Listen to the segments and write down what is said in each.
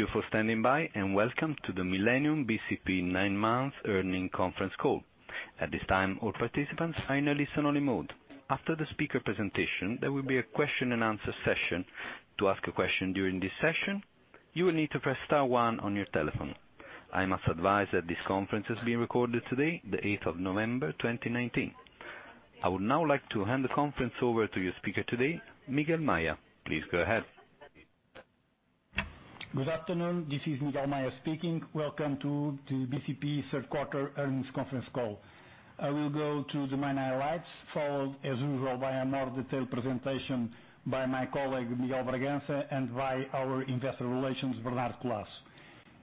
Thank you for standing by, welcome to the Millennium BCP nine-month earnings conference call. At this time, all participants are in a listen-only mode. After the speaker presentation, there will be a question-and-answer session. To ask a question during this session, you will need to press star one on your telephone. I must advise that this conference is being recorded today, the 8th of November, 2019. I would now like to hand the conference over to your speaker today, Miguel Maya. Please go ahead. Good afternoon. This is Miguel Maya speaking. Welcome to the BCP Third Quarter Earnings Conference Call. I will go through the main highlights, followed, as usual, by a more detailed presentation by my colleague, Miguel Bragança, and by our investor relations, Bernardo Collaço.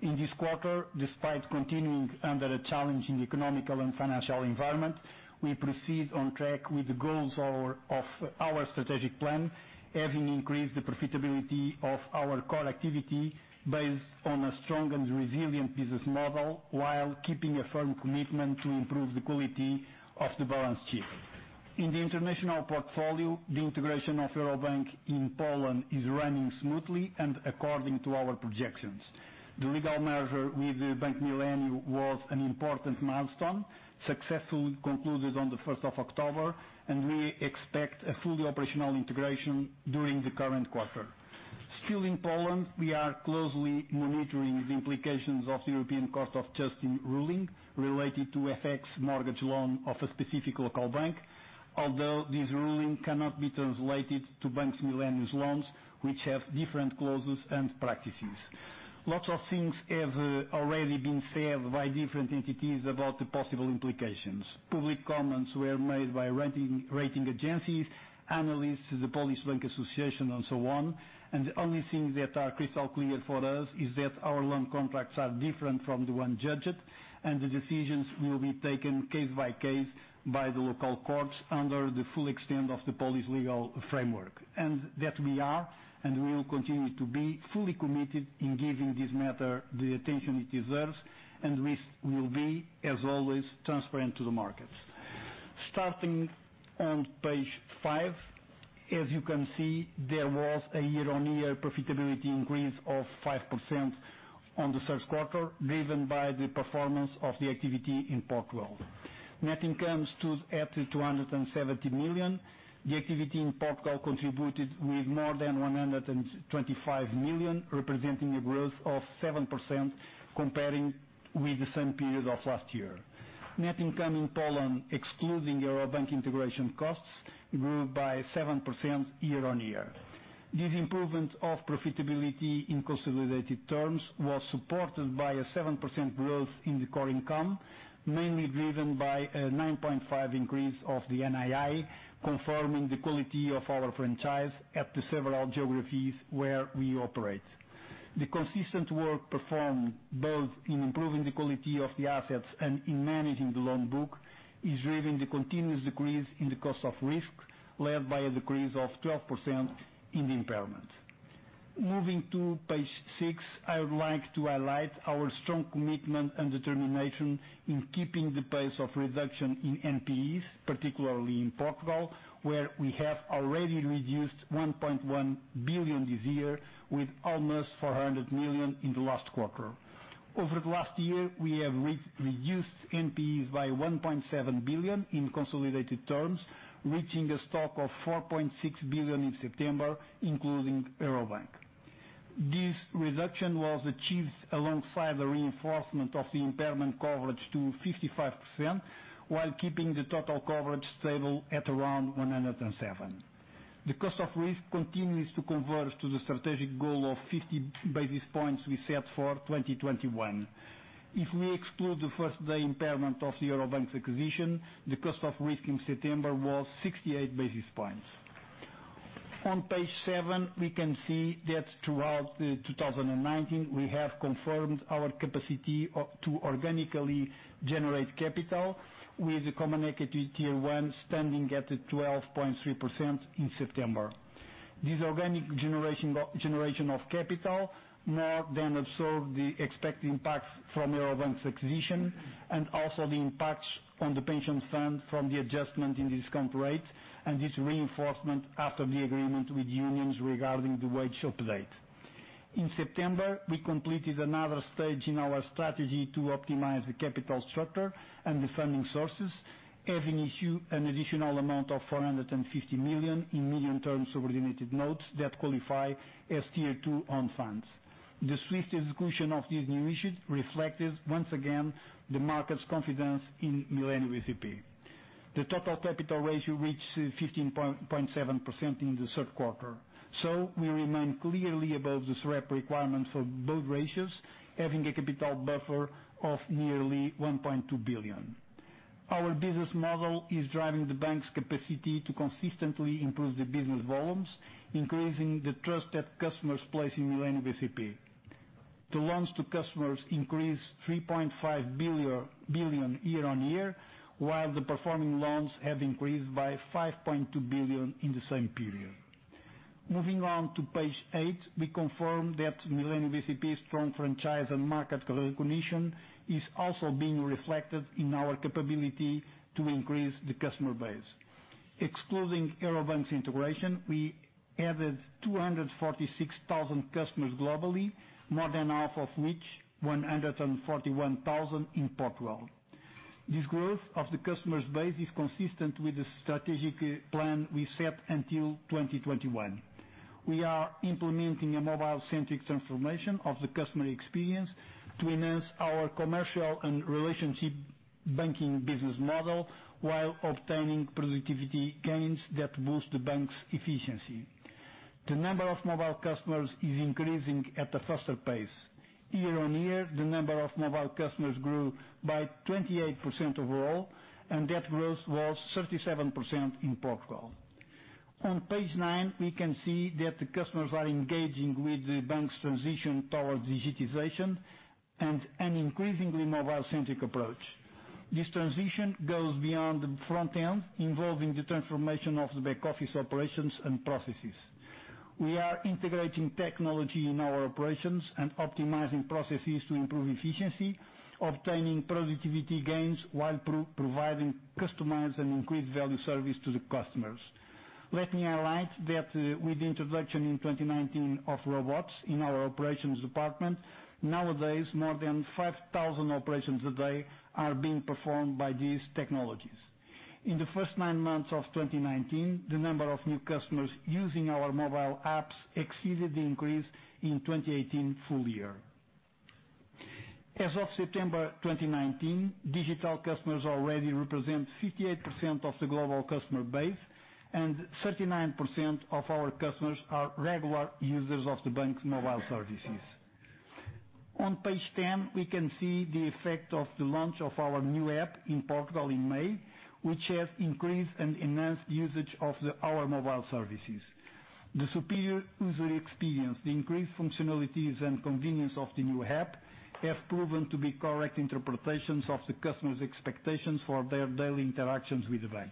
In this quarter, despite continuing under a challenging economical and financial environment, we proceed on track with the goals of our strategic plan, having increased the profitability of our core activity based on a strong and resilient business model, while keeping a firm commitment to improve the quality of the balance sheet. In the international portfolio, the integration of Eurobank in Poland is running smoothly and according to our projections. The legal merger with Bank Millennium was an important milestone, successfully concluded on the first of October, and we expect a fully operational integration during the current quarter. Still in Poland, we are closely monitoring the implications of the European Court of Justice ruling related to FX mortgage loan of a specific local bank. Although this ruling cannot be translated to Bank Millennium's loans, which have different clauses and practices. Lots of things have already been said by different entities about the possible implications. Public comments were made by rating agencies, analysts, the Polish Bank Association, and so on. The only things that are crystal clear for us is that our loan contracts are different from the one judged, and the decisions will be taken case by case by the local courts under the full extent of the Polish legal framework. That we are and will continue to be fully committed in giving this matter the attention it deserves, and we will be, as always, transparent to the markets. Starting on page 5, as you can see, there was a year-on-year profitability increase of 5% on the third quarter, driven by the performance of the activity in Portugal. Net incomes stood at 270 million. The activity in Portugal contributed with more than 125 million, representing a growth of 7% comparing with the same period of last year. Net income in Poland, excluding Eurobank integration costs, grew by 7% year-on-year. This improvement of profitability in consolidated terms was supported by a 7% growth in the core income, mainly driven by a 9.5% increase of the NII, confirming the quality of our franchise at the several geographies where we operate. The consistent work performed both in improving the quality of the assets and in managing the loan book is driven the continuous decrease in the cost of risk, led by a decrease of 12% in the impairment. Moving to page 6, I would like to highlight our strong commitment and determination in keeping the pace of reduction in NPEs, particularly in Portugal, where we have already reduced 1.1 billion this year, with almost 400 million in the last quarter. Over the last year, we have reduced NPEs by 1.7 billion in consolidated terms, reaching a stock of 4.6 billion in September, including Eurobank. This reduction was achieved alongside the reinforcement of the impairment coverage to 55%, while keeping the total coverage stable at around 107%. The cost of risk continues to converge to the strategic goal of 50 basis points we set for 2021. If we exclude the first day impairment of the Eurobank acquisition, the cost of risk in September was 68 basis points. On page 7, we can see that throughout 2019 we have confirmed our capacity to organically generate capital with the Common Equity Tier 1 standing at 12.3% in September. This organic generation of capital more than absorbed the expected impacts from Eurobank acquisition and also the impacts on the pension fund from the adjustment in discount rate and this reinforcement after the agreement with unions regarding the wage update. In September, we completed another stage in our strategy to optimize the capital structure and the funding sources, having issued an additional amount of 450 million in medium-term subordinated notes that qualify as Tier 2 own funds. The swift execution of this new issue reflected, once again, the market's confidence in Millennium bcp. The total capital ratio reached 15.7% in the third quarter. We remain clearly above the SREP requirement for both ratios, having a capital buffer of nearly 1.2 billion. Our business model is driving the bank's capacity to consistently improve the business volumes, increasing the trust that customers place in Millennium bcp. The loans to customers increased 3.5 billion year-on-year, while the performing loans have increased by 5.2 billion in the same period. Moving on to page 8, we confirm that Millennium bcp strong franchise and market recognition is also being reflected in our capability to increase the customer base. Excluding Eurobank integration, we added 246,000 customers globally, more than half of which, 141,000 in Portugal. This growth of the customer base is consistent with the strategic plan we set until 2021. We are implementing a mobile-centric transformation of the customer experience to enhance our commercial and relationship banking business model while obtaining productivity gains that boost the bank's efficiency. The number of mobile customers is increasing at a faster pace. Year-over-year, the number of mobile customers grew by 28% overall, and that growth was 37% in Portugal. On page 9, we can see that the customers are engaging with the bank's transition towards digitization and an increasingly mobile-centric approach. This transition goes beyond the front end, involving the transformation of the back office operations and processes. We are integrating technology in our operations and optimizing processes to improve efficiency, obtaining productivity gains while providing customized and increased value service to the customers. Let me highlight that with the introduction in 2019 of robots in our operations department, nowadays, more than 5,000 operations a day are being performed by these technologies. In the first nine months of 2019, the number of new customers using our mobile apps exceeded the increase in 2018 full year. As of September 2019, digital customers already represent 58% of the global customer base, and 39% of our customers are regular users of the bank's mobile services. On page 10, we can see the effect of the launch of our new app in Portugal in May, which has increased and enhanced usage of our mobile services. The superior user experience, the increased functionalities, and convenience of the new app have proven to be correct interpretations of the customer's expectations for their daily interactions with the bank.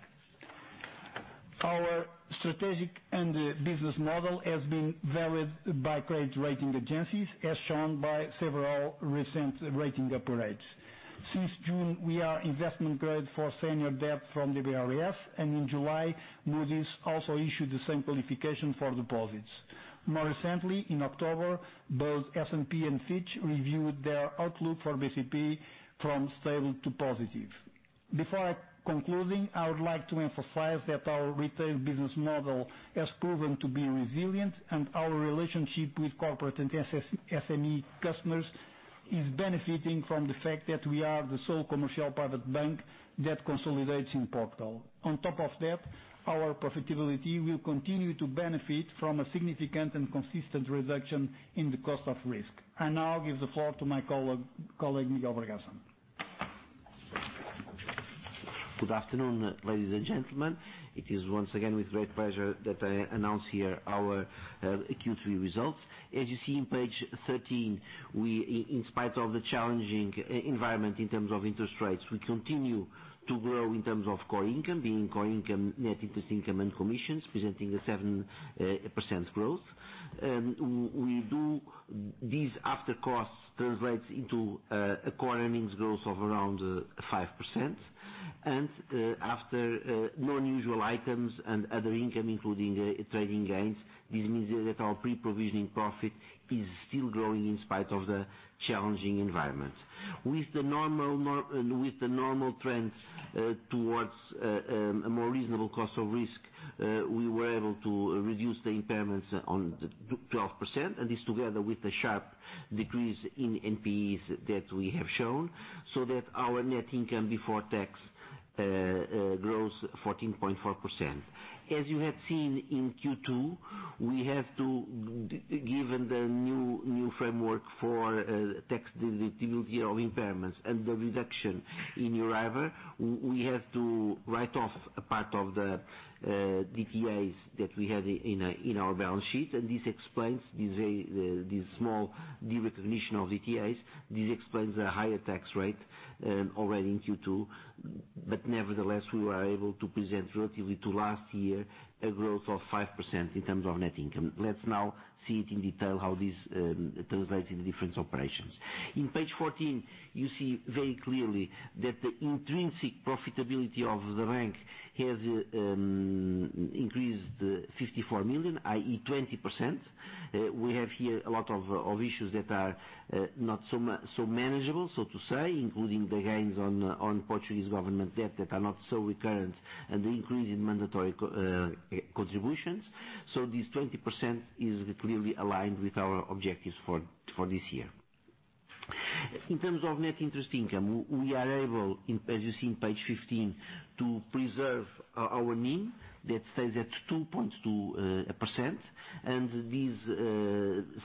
Our strategic and business model has been validated by credit rating agencies, as shown by several recent rating upgrades. Since June, we are investment grade for senior debt from DBRS, and in July, Moody's also issued the same qualification for deposits. More recently, in October, both S&P and Fitch reviewed their outlook for BCP from stable to positive. Before concluding, I would like to emphasize that our retail business model has proven to be resilient, and our relationship with corporate and SME customers is benefiting from the fact that we are the sole commercial private bank that consolidates in Portugal. On top of that, our profitability will continue to benefit from a significant and consistent reduction in the cost of risk. I now give the floor to my colleague, Miguel Bragança. Good afternoon, ladies and gentlemen. It is once again with great pleasure that I announce here our Q3 results. As you see on page 13, in spite of the challenging environment in terms of interest rates, we continue to grow in terms of core income, being core income, net interest income, and commissions presenting a 7% growth. These after costs translates into a core earnings growth of around 5%. After non-usual items and other income, including trading gains, this means that our pre-provisioning profit is still growing in spite of the challenging environment. With the normal trends towards a more reasonable cost of risk, we were able to reduce the impairments on the 12%, and this together with a sharp decrease in NPEs that we have shown, so that our net income before tax grows 14.4%. As you have seen in Q2, given the new framework for tax deductibility of impairments and the reduction in the Euribor, we have to write off a part of the DTAs that we had in our balance sheet. This explains this small de-recognition of DTAs. This explains the higher tax rate already in Q2. Nevertheless, we were able to present relatively to last year, a growth of 5% in terms of net income. Let's now see it in detail how this translates in different operations. In page 14, you see very clearly that the intrinsic profitability of the bank has increased 54 million, i.e., 20%. We have here a lot of issues that are not so manageable, so to say, including the gains on Portuguese government debt that are not so recurrent and the increase in mandatory contributions. This 20% is clearly aligned with our objectives for this year. In terms of net interest income, we are able, as you see on page 15, to preserve our NIM. That stays at 2.2%. This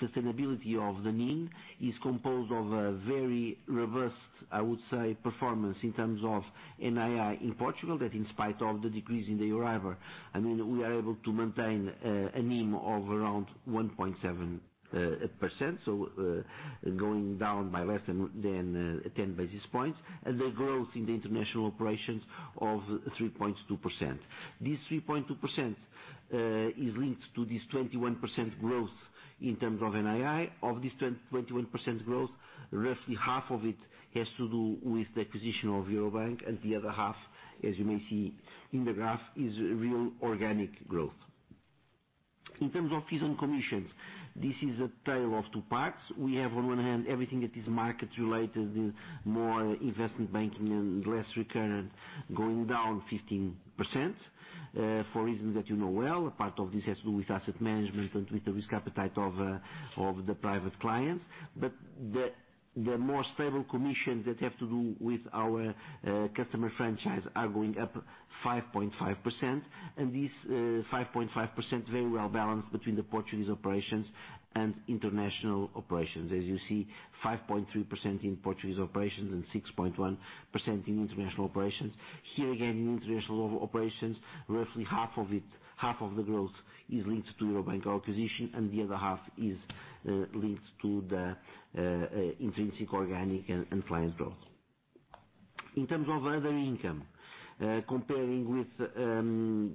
sustainability of the NIM is composed of a very reversed, I would say, performance in terms of NII in Portugal, that in spite of the decrease in the Euribor, we are able to maintain a NIM of around 1.7%, going down by less than 10 basis points. The growth in the international operations of 3.2%. This 3.2% is linked to this 21% growth in terms of NII. Of this 21% growth, roughly half of it has to do with the acquisition of Eurobank and the other half, as you may see in the graph, is real organic growth. In terms of fees and commissions, this is a tale of two parts. We have, on one hand, everything that is market related, more investment banking and less recurrent, going down 15% for reasons that you know well. A part of this has to do with asset management and with the risk appetite of the private clients. The more stable commissions that have to do with our customer franchise are going up 5.5%, and this 5.5% very well balanced between the Portuguese operations and international operations. As you see, 5.3% in Portuguese operations and 6.1% in international operations. Here again, in international operations, roughly half of the growth is linked to Eurobank acquisition, and the other half is linked to the intrinsic organic and client growth. In terms of other income, comparing with the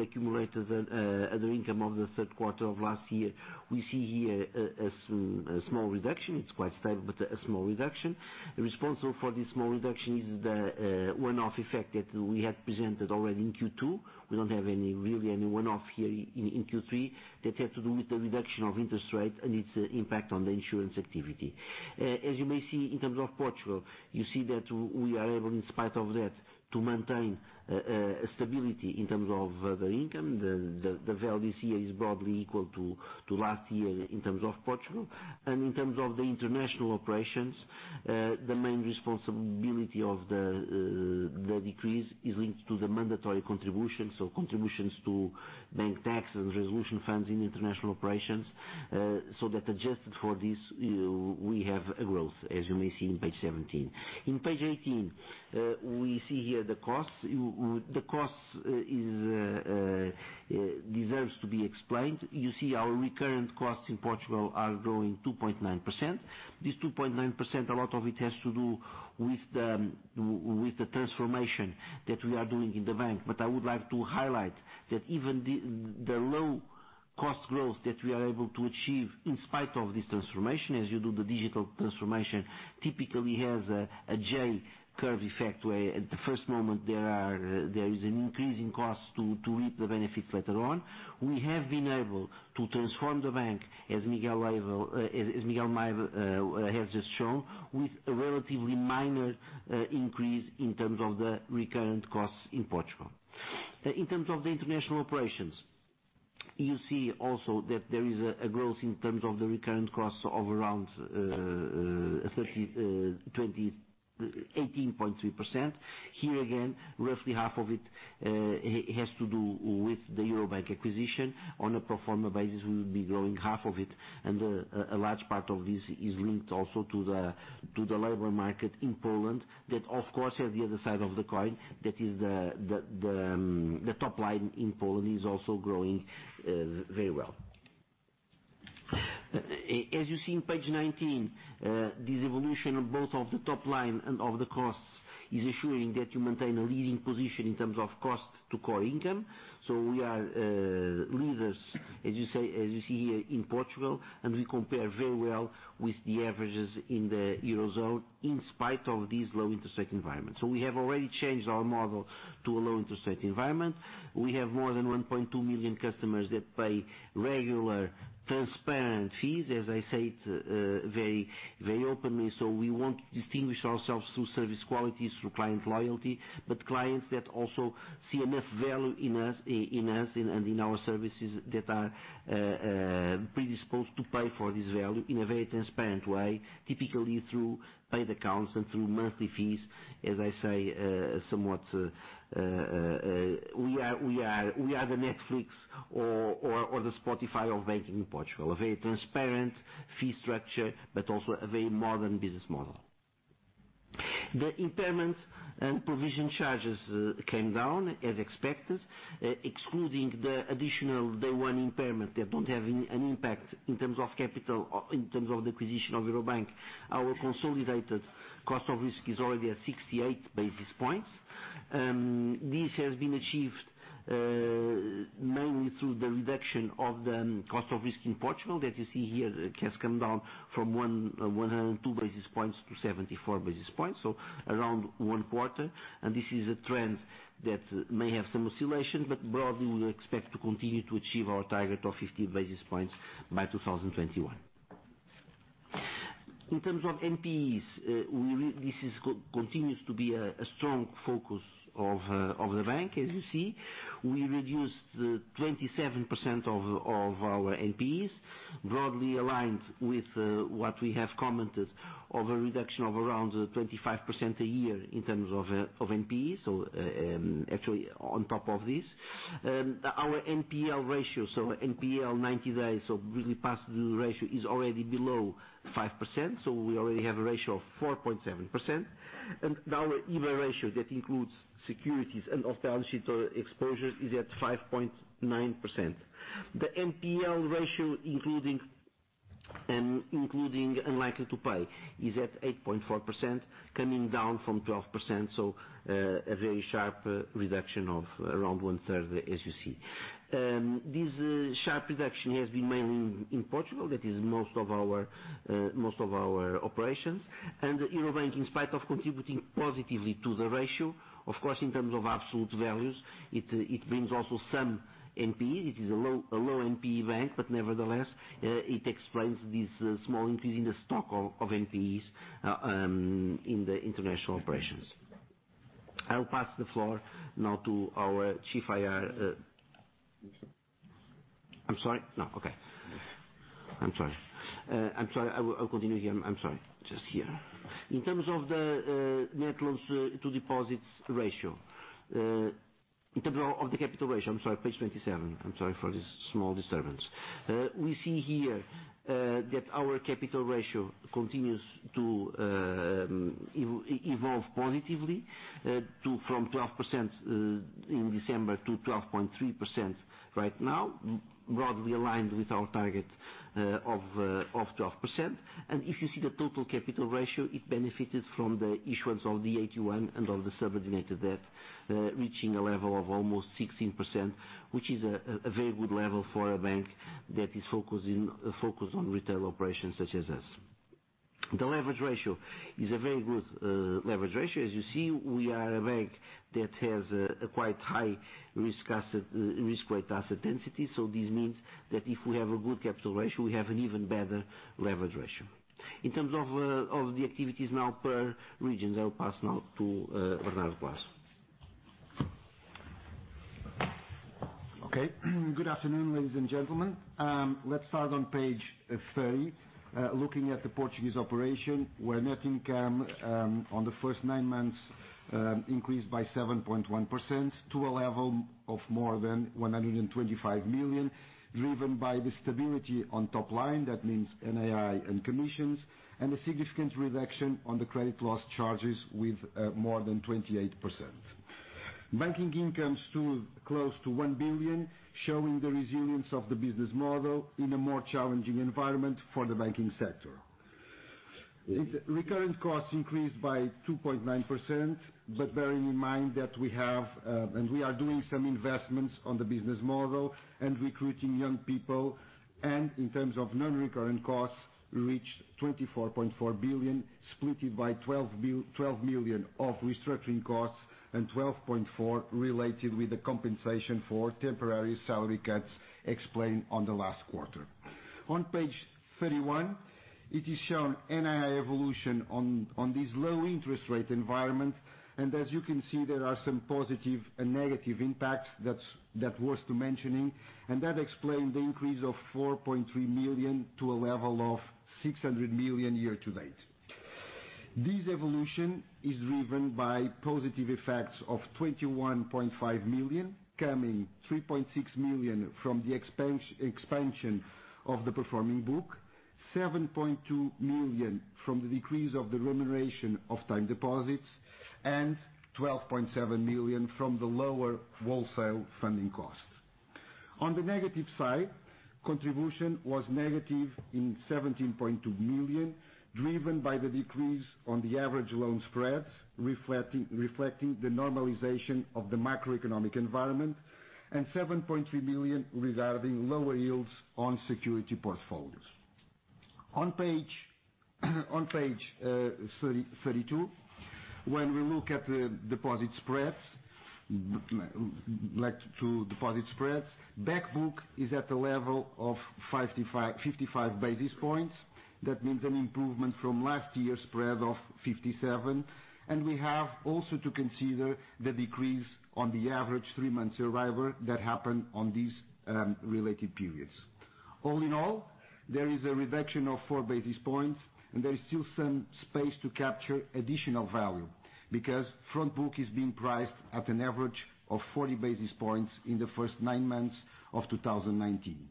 accumulated other income of the third quarter of last year, we see here a small reduction. It's quite slight, but a small reduction. The responsible for this small reduction is the one-off effect that we had presented already in Q2. We don't have really any one-off here in Q3 that had to do with the reduction of interest rate and its impact on the insurance activity. As you may see, in terms of Portugal, you see that we are able, in spite of that, to maintain stability in terms of other income. The value this year is broadly equal to last year in terms of Portugal. In terms of the international operations, the main responsibility of the decrease is linked to the mandatory contributions, so contributions to bank tax and resolution funds in international operations. That adjusted for this, we have a growth, as you may see on page 17. In page 18, we see here the costs. The costs deserves to be explained. You see our recurrent costs in Portugal are growing 2.9%. This 2.9%, a lot of it has to do with the transformation that we are doing in the bank. I would like to highlight that even the low cost growth that we are able to achieve in spite of this transformation, as you do the digital transformation, typically has a J-curve effect where at the first moment there is an increase in cost to reap the benefits later on. We have been able to transform the bank, as Miguel Maya has just shown, with a relatively minor increase in terms of the recurrent costs in Portugal. In terms of the international operations, you see also that there is a growth in terms of the recurrent costs of around 18.3%. Here again, roughly half of it has to do with the Eurobank acquisition. On a pro forma basis, we will be growing half of it, and a large part of this is linked also to the labor market in Poland. That, of course, has the other side of the coin, that is the top line in Poland is also growing very well. As you see on page 19, this evolution of both of the top line and of the costs is assuring that you maintain a leading position in terms of cost to core income. We are leaders, as you see here in Portugal, and we compare very well with the averages in the Eurozone in spite of this low interest rate environment. We have already changed our model to a low interest rate environment. We have more than 1.2 million customers that pay regular, transparent fees, as I say it very openly. We want to distinguish ourselves through service quality, through client loyalty, but clients that also see enough value in us and in our services that are predisposed to pay for this value in a very transparent way, typically through paid accounts and through monthly fees. As I say, somewhat, we are the Netflix or the Spotify of banking in Portugal. A very transparent fee structure, but also a very modern business model. The impairment and provision charges came down as expected, excluding the additional day one impairment that don't have an impact in terms of capital, in terms of the acquisition of Eurobank. Our consolidated cost of risk is already at 68 basis points. This has been achieved mainly through the reduction of the cost of risk in Portugal that you see here has come down from 102 basis points to 74 basis points, so around one quarter. This is a trend that may have some oscillation, but broadly, we will expect to continue to achieve our target of 50 basis points by 2021. In terms of NPEs, this continues to be a strong focus of the bank, as you see. We reduced the 27% of our NPEs, broadly aligned with what we have commented of a reduction of around 25% a year in terms of NPEs. Actually, on top of this, our NPL ratio, so NPL 90 days, so really past due ratio, is already below 5%. We already have a ratio of 4.7%. Our EBA ratio, that includes securities and off-balance sheet exposures, is at 5.9%. The NPL ratio, including unlikely to pay is at 8.4%, coming down from 12%. A very sharp reduction of around one third, as you see. This sharp reduction has been mainly in Portugal. That is most of our operations. Eurobank, in spite of contributing positively to the ratio, of course, in terms of absolute values, it brings also some NPE. It is a low NPE bank, but nevertheless, it explains this small increase in the stock of NPEs in the international operations. I will pass the floor now to our chief IR. I'm sorry. No. Okay. I'm sorry. I'll continue here. I'm sorry. Just here. In terms of the net loans to deposits ratio, in terms of the capital ratio, I'm sorry, page 27. I'm sorry for this small disturbance. We see here that our capital ratio continues to evolve positively from 12% in December to 12.3% right now, broadly aligned with our target of 12%. If you see the total capital ratio, it benefited from the issuance of the AT1 and of the subordinated debt, reaching a level of almost 16%, which is a very good level for a bank that is focused on retail operations such as us. The leverage ratio is a very good leverage ratio. As you see, we are a bank that has a quite high risk-weighted asset density. This means that if we have a good capital ratio, we have an even better leverage ratio. In terms of the activities now per regions, I'll pass now to Bernardo Collaço. Okay. Good afternoon, ladies and gentlemen. Let's start on page 30, looking at the Portuguese operation where net income on the first nine months increased by 7.1% to a level of more than 125 million, driven by the stability on top line, that means NII and commissions, and a significant reduction on the credit loss charges with more than 28%. Banking incomes stood close to 1 billion, showing the resilience of the business model in a more challenging environment for the banking sector. Recurrent costs increased by 2.9%, but bearing in mind that we have and we are doing some investments on the business model and recruiting young people, and in terms of non-recurrent costs, reached 24.4 billion, split by 12 million of restructuring costs and 12.4 million related with the compensation for temporary salary cuts explained on the last quarter. On page 31, it is shown NII evolution on this low interest rate environment. As you can see, there are some positive and negative impacts that's worth mentioning, and that explain the increase of 4.3 million to a level of 600 million year to date. This evolution is driven by positive effects of 21.5 million coming 3.6 million from the expansion of the performing book, 7.2 million from the decrease of the remuneration of time deposits, and 12.7 million from the lower wholesale funding cost. On the negative side, contribution was negative in 17.2 million, driven by the decrease on the average loan spreads reflecting the normalization of the macroeconomic environment and 7.3 million regarding lower yields on security portfolios. On page 32, when we look at the deposit spreads, back book is at a level of 55 basis points. That means an improvement from last year's spread of 57. We have also to consider the decrease on the average three-month Euribor that happened on these related periods. All in all, there is a reduction of four basis points. There is still some space to capture additional value because front book is being priced at an average of 40 basis points in the first nine months of 2019.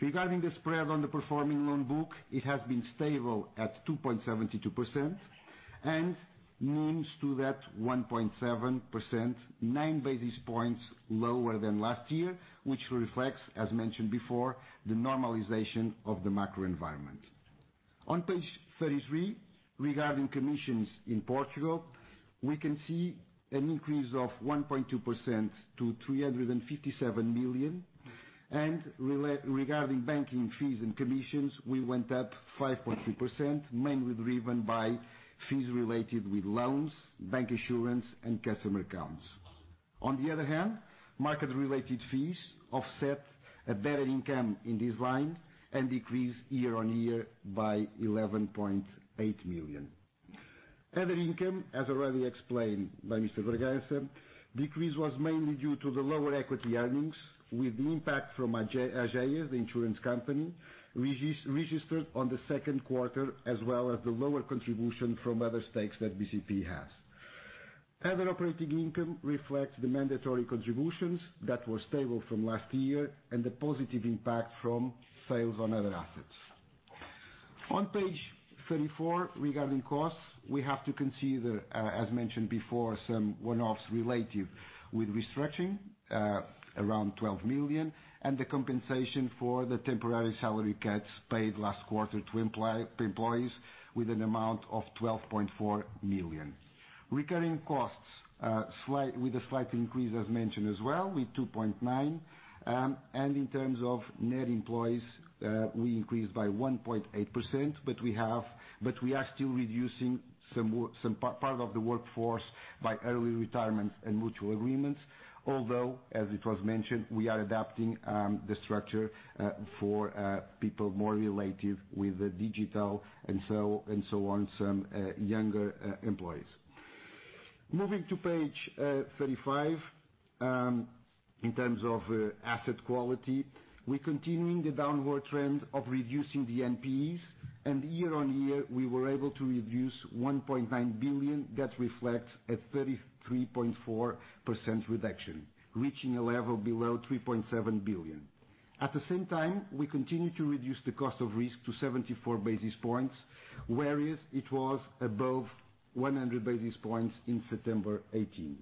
Regarding the spread on the performing loan book, it has been stable at 2.72% and NIM stood at 1.7%, nine basis points lower than last year, which reflects, as mentioned before, the normalization of the macro environment. On page 33, regarding commissions in Portugal, we can see an increase of 1.2% to 357 million. Regarding banking fees and commissions, we went up 5.3%, mainly driven by fees related with loans, bank insurance, and customer accounts. On the other hand, market-related fees offset a better income in this line and decrease year-over-year by 11.8 million. Other income, as already explained by Mr. Bragança, decrease was mainly due to the lower equity earnings with the impact from Ageas, the insurance company, registered on the second quarter, as well as the lower contribution from other stakes that BCP has. Other operating income reflects the mandatory contributions that were stable from last year and the positive impact from sales on other assets. On page 34, regarding costs, we have to consider, as mentioned before, some one-offs related with restructuring, around 12 million, and the compensation for the temporary salary cuts paid last quarter to employees with an amount of 12.4 million. Recurring costs, with a slight increase as mentioned as well, with 2.9. In terms of net employees, we increased by 1.8%, but we are still reducing part of the workforce by early retirement and mutual agreements, although, as it was mentioned, we are adapting the structure for people more related with the digital and so on, some younger employees. Moving to page 35, in terms of asset quality, we are continuing the downward trend of reducing the NPEs. Year-on-year, we were able to reduce 1.9 billion that reflects a 33.4% reduction, reaching a level below 3.7 billion. At the same time, we continue to reduce the cost of risk to 74 basis points, whereas it was above 100 basis points in September 2018.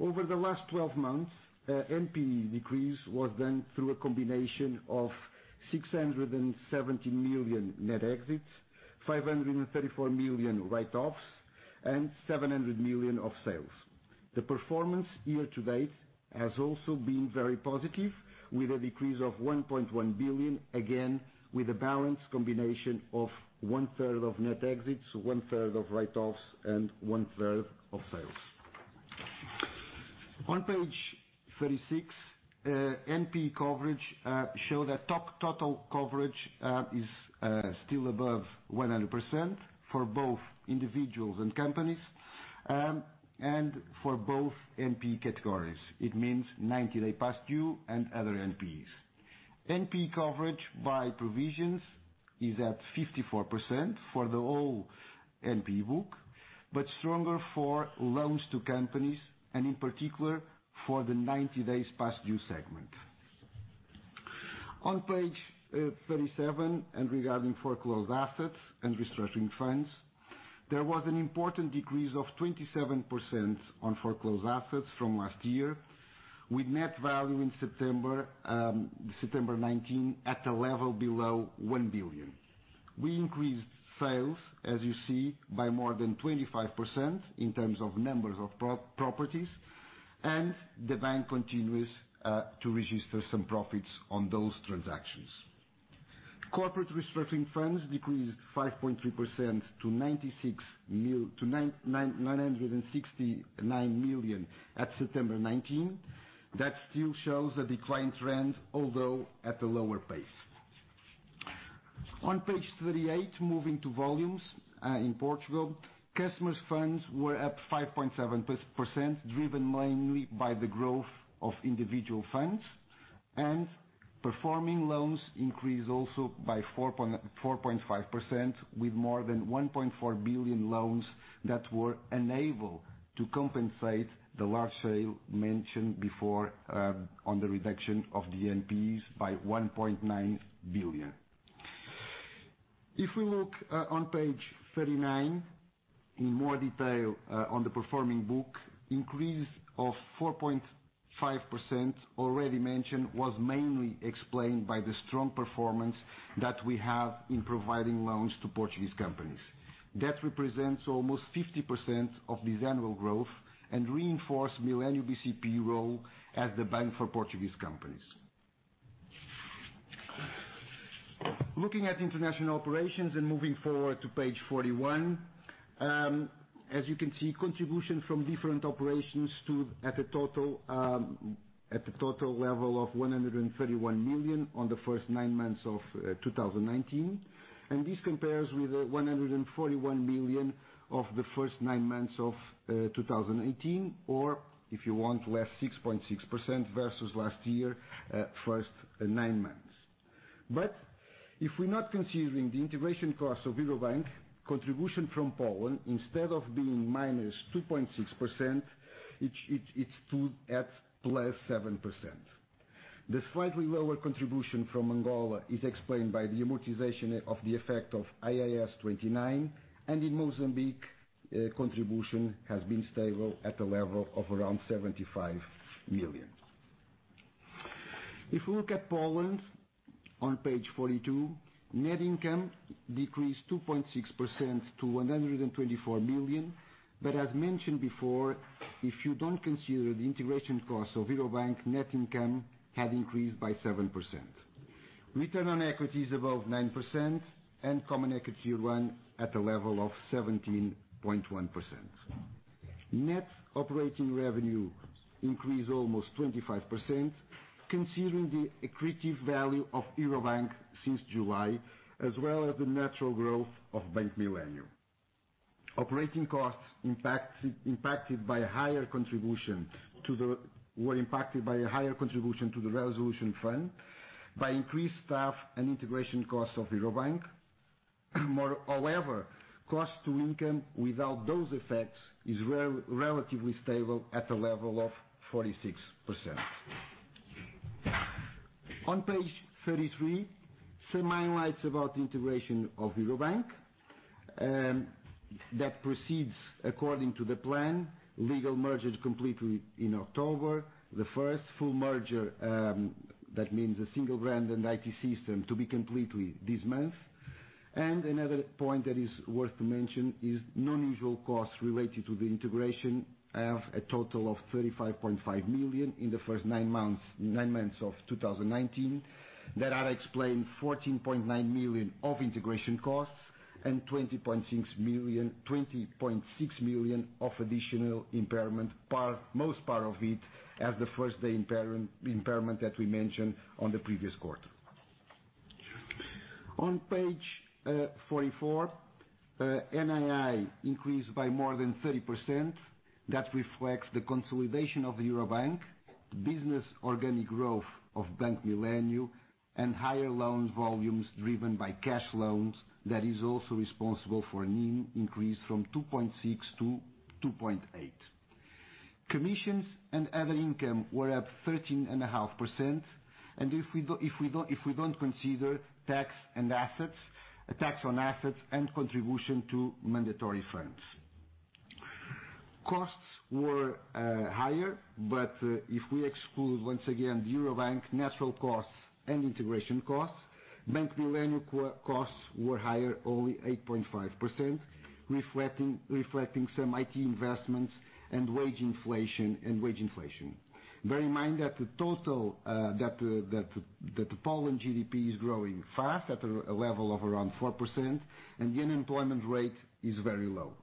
Over the last 12 months, NPE decrease was done through a combination of 670 million net exits, 534 million write-offs, and 700 million of sales. The performance year to date has also been very positive, with a decrease of 1.1 billion, again, with a balanced combination of one-third of net exits, one-third of write-offs, and one-third of sales. On page 36, NPE coverage show that top total coverage is still above 100% for both individuals and companies, and for both NPE categories. It means 90-day past due and other NPEs. NPE coverage by provisions is at 54% for the whole NPE book, but stronger for loans to companies, and in particular, for the 90 days past due segment. On page 37 and regarding foreclosed assets and restructuring funds, there was an important decrease of 27% on foreclosed assets from last year, with net value in September 2019 at a level below 1 billion. We increased sales, as you see, by more than 25% in terms of numbers of properties, and the bank continues to register some profits on those transactions. Corporate restructuring funds decreased 5.3% to 969 million at September 2019. That still shows a decline trend, although at a lower pace. On page 38, moving to volumes in Portugal, customers funds were up 5.7%, driven mainly by the growth of individual funds, and performing loans increased also by 4.5% with more than 1.4 billion loans that were unable to compensate the large sale mentioned before, on the reduction of the NPEs by 1.9 billion. If we look on page 39 in more detail on the performing book, increase of 4.5% already mentioned was mainly explained by the strong performance that we have in providing loans to Portuguese companies. That represents almost 50% of this annual growth and reinforce Millennium bcp role as the bank for Portuguese companies. Looking at international operations and moving forward to page 41. As you can see, contribution from different operations stood at a total level of 131 million on the first nine months of 2019. This compares with 141 million of the first nine months of 2018, or if you want, less 6.6% versus last year, first nine months. If we're not considering the integration cost of Eurobank, contribution from Poland, instead of being minus 2.6%, it stood at plus 7%. The slightly lower contribution from Angola is explained by the amortization of the effect of IAS 29, and in Mozambique, contribution has been stable at a level of around 75 million. If we look at Poland on page 42, net income decreased 2.6% to 124 million. As mentioned before, if you don't consider the integration cost of Eurobank, net income had increased by 7%. Return on equity is above 9%, and common equity run at a level of 17.1%. Net operating revenue increased almost 25%, considering the accretive value of Eurobank since July, as well as the natural growth of Bank Millennium. Operating costs were impacted by a higher contribution to the resolution fund by increased staff and integration costs of Eurobank. Cost to income without those effects is relatively stable at a level of 46%. On page 33, some highlights about the integration of Eurobank. That proceeds according to the plan. Legal merger is complete in October. The first full merger, that means a single brand and IT system, to be complete this month. Another point that is worth to mention is non-usual costs related to the integration have a total of 35.5 million in the first nine months of 2019. That I explain 14.9 million of integration costs and 20.6 million of additional impairment, but most part of it at the first day impairment that we mentioned on the previous quarter. On page 44, NII increased by more than 30%. That reflects the consolidation of the Eurobank business organic growth of Bank Millennium, and higher loan volumes driven by cash loans that is also responsible for NIM increase from 2.6%-2.8%. Commissions and other income were up 13.5%, and if we don't consider tax on assets and contribution to mandatory funds. Costs were higher, but if we exclude, once again, Eurobank natural costs and integration costs, Bank Millennium costs were higher only 8.5%, reflecting some IT investments and wage inflation. Bear in mind that the Poland GDP is growing fast at a level of around 4% and the unemployment rate is very low.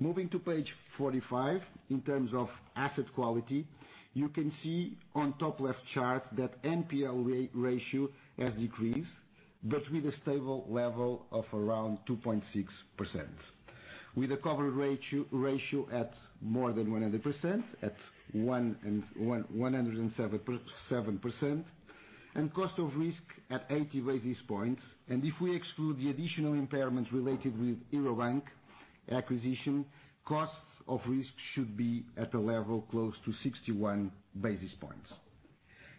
Moving to page 45, in terms of asset quality, you can see on top left chart that NPL ratio has decreased, but with a stable level of around 2.6%. With a cover ratio at more than 100% at 107%, and cost of risk at 80 basis points. If we exclude the additional impairments related with Eurobank acquisition, costs of risk should be at a level close to 61 basis points.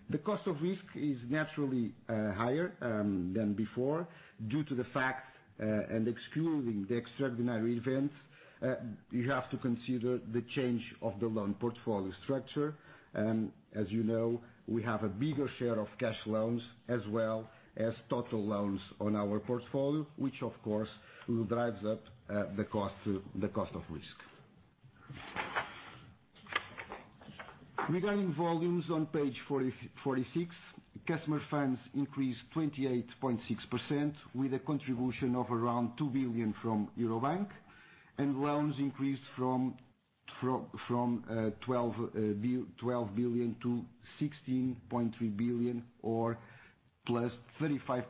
The cost of risk is naturally higher than before due to the fact, and excluding the extraordinary events, you have to consider the change of the loan portfolio structure. As you know, we have a bigger share of cash loans as well as total loans on our portfolio, which, of course, drives up the cost of risk. Regarding volumes on page 46, customer funds increased 28.6% with a contribution of around 2 billion from Eurobank, and loans increased from 12 billion-16.3 billion, or plus 35%,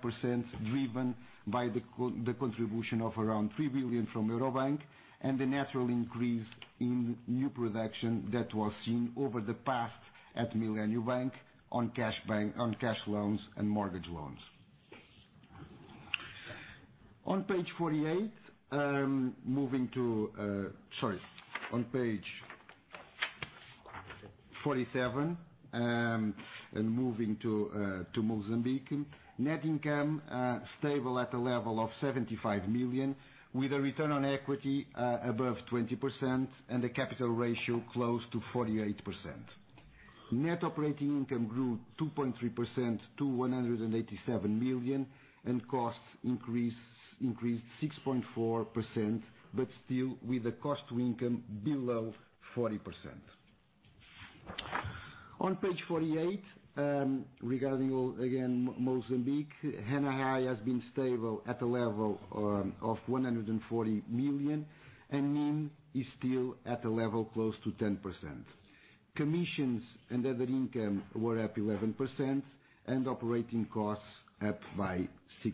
driven by the contribution of around 3 billion from Eurobank, and the natural increase in new production that was seen over the past at Bank Millennium on cash loans and mortgage loans. On page 47, moving to Mozambique, net income stable at a level of 75 million with a return on equity above 20% and a capital ratio close to 48%. Net operating income grew 2.3% to 187 million, and costs increased 6.4%, but still with a cost to income below 40%. On page 48, regarding, again, Mozambique, NII has been stable at a level of 140 million and NIM is still at a level close to 10%. Commissions and other income were up 11% and operating costs up by 6%.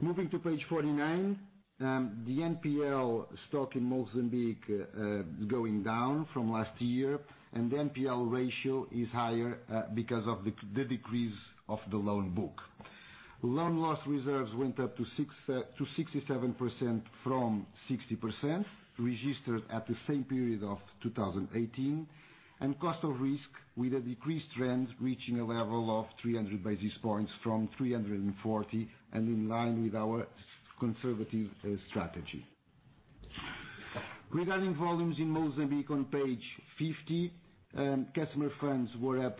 Moving to page 49, the NPL stock in Mozambique is going down from last year, and the NPL ratio is higher because of the decrease of the loan book. Loan loss reserves went up to 67% from 60% registered at the same period of 2018, and cost of risk with a decreased trend reaching a level of 300 basis points from 340, and in line with our conservative strategy. Regarding volumes in Mozambique on page 50, customer funds were up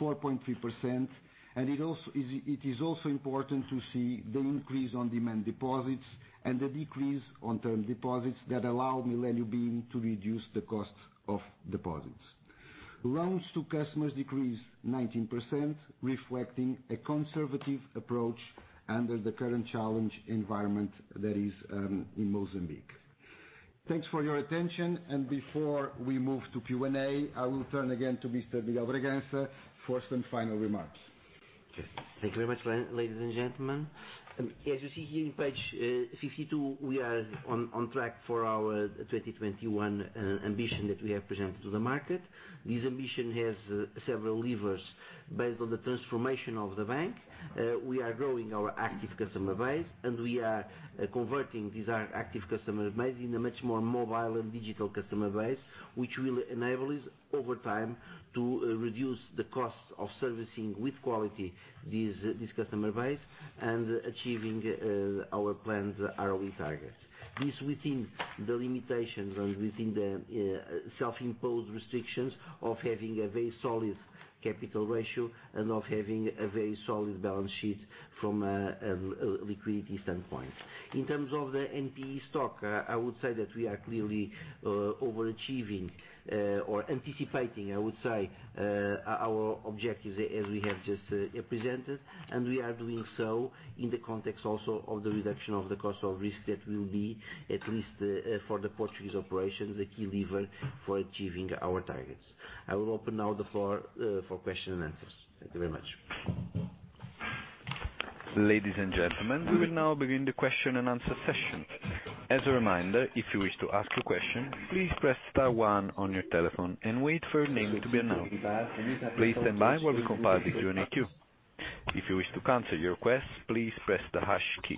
4.3%, and it is also important to see the increase on demand deposits and the decrease on term deposits that allow Millennium bim to reduce the cost of deposits. Loans to customers decreased 19%, reflecting a conservative approach under the current challenge environment that is in Mozambique. Thanks for your attention. Before we move to Q&A, I will turn again to Mr. Miguel Bragança for some final remarks. Thank you very much, ladies and gentlemen. As you see here on page 52, we are on track for our 2021 ambition that we have presented to the market. This ambition has several levers based on the transformation of the bank. We are growing our active customer base, and we are converting these active customer base in a much more mobile and digital customer base, which will enable us, over time, to reduce the cost of servicing with quality this customer base and achieving our planned ROE targets. This within the limitations and within the self-imposed restrictions of having a very solid capital ratio and of having a very solid balance sheet from a liquidity standpoint. In terms of the NPE stock, I would say that we are clearly overachieving or anticipating, I would say, our objectives as we have just presented, and we are doing so in the context also of the reduction of the cost of risk that will be, at least for the Portuguese operations, a key lever for achieving our targets. I will open now the floor for question and answers. Thank you very much. Ladies and gentlemen, we will now begin the question and answer session. As a reminder, if you wish to ask a question, please press star one on your telephone and wait for your name to be announced. Please stand by while we compile the Q&A queue. If you wish to cancel your request, please press the hash key.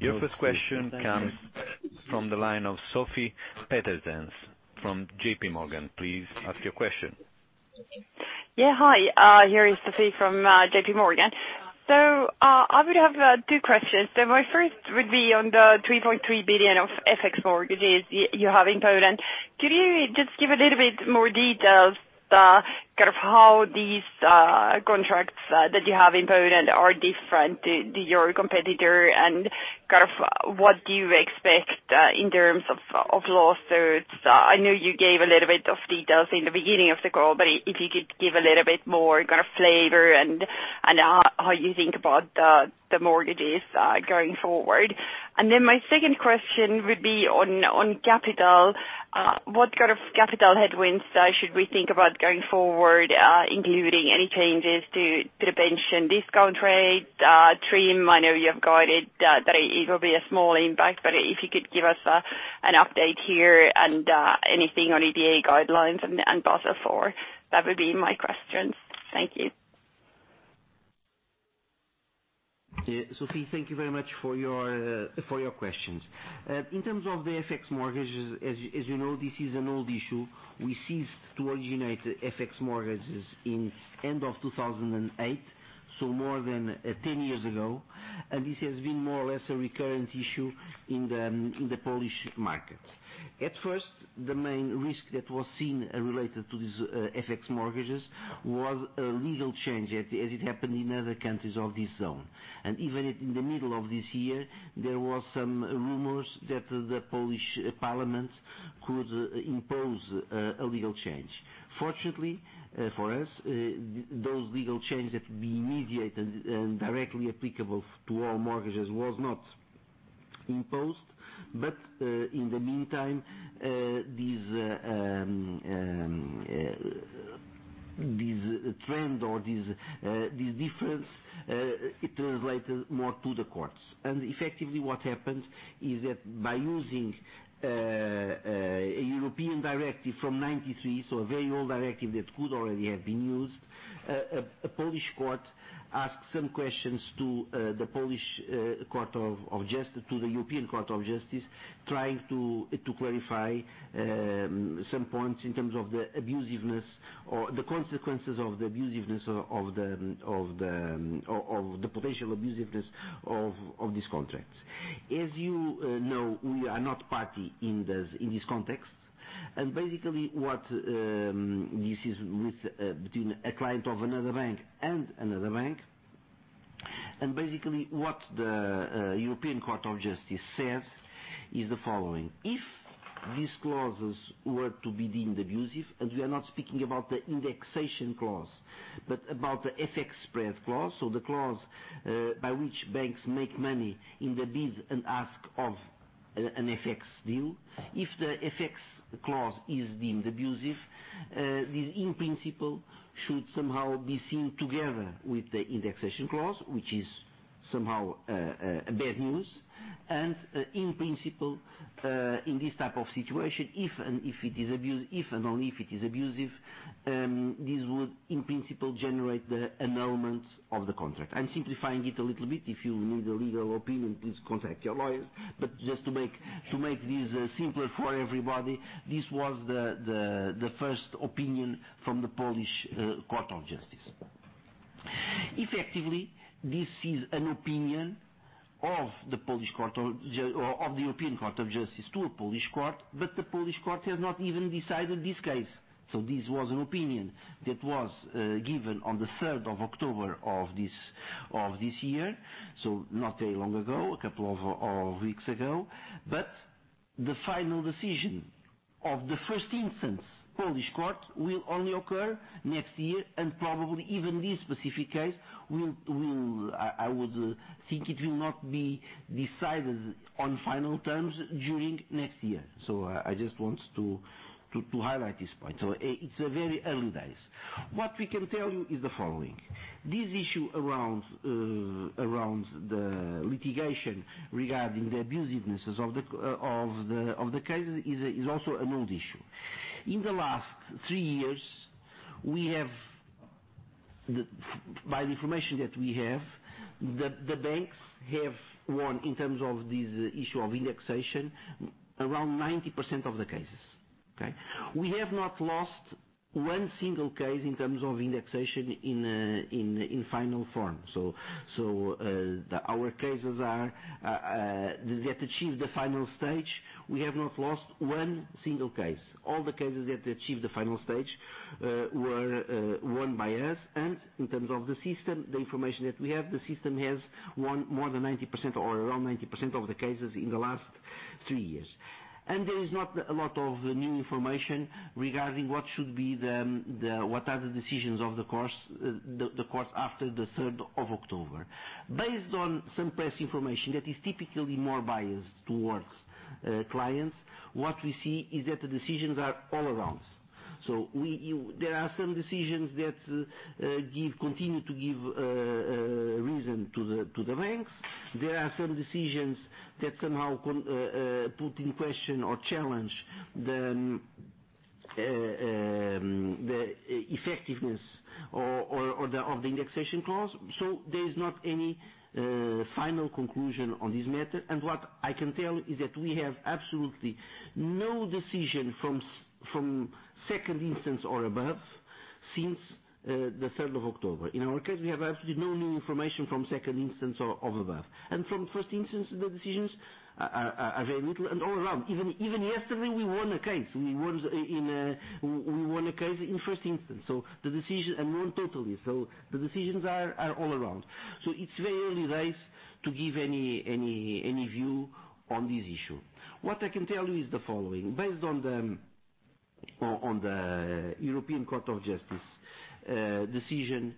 Your first question comes from the line of Sofie Peterzens from JPMorgan. Please ask your question. Hi, here is Sofie from JPMorgan. I would have two questions. My first would be on the 3.3 billion of FX mortgages you have in Poland. Could you just give a little bit more details, how these contracts that you have in Poland are different to your competitor, and what do you expect in terms of losses? I know you gave a little bit of details in the beginning of the call, but if you could give a little bit more flavor and how you think about the mortgages going forward. My second question would be on capital. What kind of capital headwinds should we think about going forward, including any changes to the pension discount rate? TRIM, I know you have guided that it will be a small impact, but if you could give us an update here and anything on EBA guidelines and Basel IV. That would be my questions. Thank you. Sofie, thank you very much for your questions. In terms of the FX mortgages, as you know, this is an old issue. We ceased to originate FX mortgages in end of 2008, so more than 10 years ago. This has been more or less a recurrent issue in the Polish market. At first, the main risk that was seen related to these FX mortgages was a legal change as it happened in other countries of this zone. Even in the middle of this year, there were some rumors that the Polish parliament could impose a legal change. Fortunately for us, those legal changes that would be immediate and directly applicable to all mortgages was not imposed. In the meantime, this trend or this difference, it translated more to the courts. Effectively, what happened is that by using a European directive from 1993, so a very old directive that could already have been used, a Polish court asked some questions to the European Court of Justice, trying to clarify some points in terms of the abusiveness or the consequences of the potential abusiveness of these contracts. As you know, we are not party in this context. Basically, this is between a client of another bank and another bank. Basically, what the European Court of Justice says is the following: If these clauses were to be deemed abusive, we are not speaking about the indexation clause, but about the FX spread clause, so the clause, by which banks make money in the bid and ask of an FX deal. If the FX clause is deemed abusive, this in principle should somehow be seen together with the indexation clause, which is somehow bad news. In principle, in this type of situation, if and only if it is abusive, this would in principle generate the annulment of the contract. I'm simplifying it a little bit. If you need a legal opinion, please contact your lawyers. Just to make this simpler for everybody, this was the first opinion from the Polish Court of Justice. Effectively, this is an opinion of the European Court of Justice to a Polish court, the Polish court has not even decided this case. This was an opinion that was given on the 3rd of October of this year, not very long ago, a couple of weeks ago. The final decision of the first instance Polish court will only occur next year and probably even this specific case, I would think it will not be decided on final terms during next year. I just want to highlight this point. It's a very early days. What we can tell you is the following. This issue around the litigation regarding the abusiveness of the case is also an old issue. In the last three years, by the information that we have, the banks have won, in terms of this issue of indexation, around 90% of the cases. Okay. We have not lost one single case in terms of indexation in final form. Our cases that achieved the final stage, we have not lost one single case. All the cases that achieved the final stage were won by us, in terms of the system, the information that we have, the system has won more than 90% or around 90% of the cases in the last three years. There is not a lot of new information regarding what are the decisions of the courts after the 3rd of October. Based on some press information that is typically more biased towards clients, what we see is that the decisions are all around. There are some decisions that continue to give reason to the banks. There are some decisions that somehow put in question or challenge the effectiveness of the indexation clause. There is not any final conclusion on this matter. What I can tell is that we have absolutely no decision from second instance or above since the 3rd of October. In our case, we have absolutely no new information from second instance or above. From first instance, the decisions are very little and all around. Even yesterday, we won a case. We won a case in first instance, and won totally. The decisions are all around. It's very early days to give any view on this issue. What I can tell you is the following. Based on the European Court of Justice decision,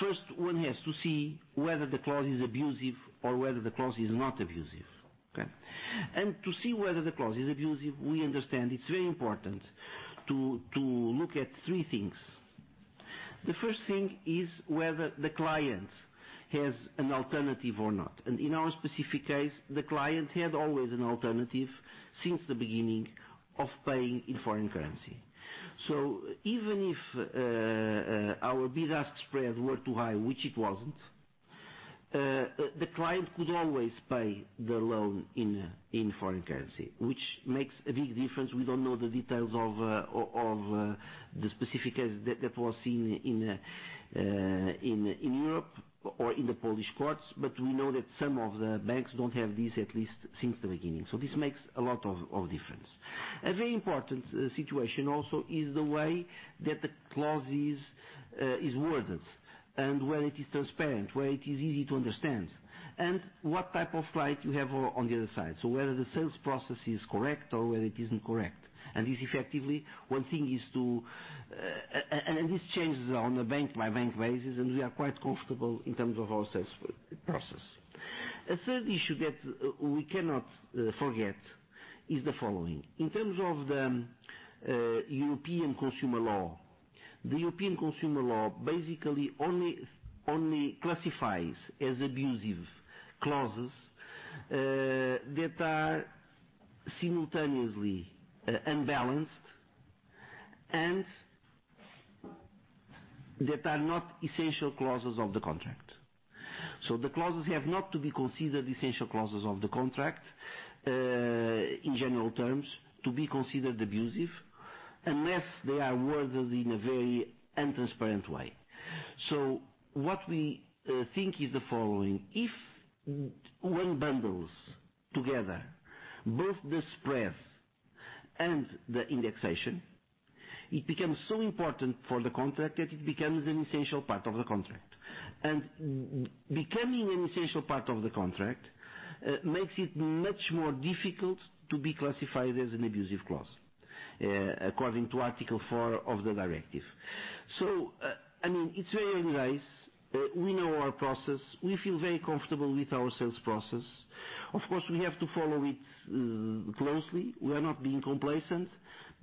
first one has to see whether the clause is abusive or whether the clause is not abusive. Okay? To see whether the clause is abusive, we understand it's very important to look at three things. The first thing is whether the client has an alternative or not. In our specific case, the client had always an alternative since the beginning of paying in foreign currency. Even if our bid-ask-spread were too high, which it wasn't, the client could always pay the loan in foreign currency, which makes a big difference. We don't know the details of the specific case that was in Europe or in the Polish courts, but we know that some of the banks don't have this, at least since the beginning. This makes a lot of difference. A very important situation also is the way that the clause is worded and whether it is transparent, whether it is easy to understand, and what type of client you have on the other side. Whether the sales process is correct or whether it isn't correct. This changes on a bank-by-bank basis, and we are quite comfortable in terms of our sales process. A third issue that we cannot forget is the following. In terms of the European consumer law, the European consumer law basically only classifies as abusive clauses that are simultaneously unbalanced and that are not essential clauses of the contract. The clauses have not to be considered essential clauses of the contract, in general terms, to be considered abusive, unless they are worded in a very untransparent way. What we think is the following. If one bundles together both the spread and the indexation, it becomes so important for the contract that it becomes an essential part of the contract. Becoming an essential part of the contract makes it much more difficult to be classified as an abusive clause, according to Article 4 of the directive. It's very early days. We know our process. We feel very comfortable with our sales process. Of course, we have to follow it closely. We are not being complacent.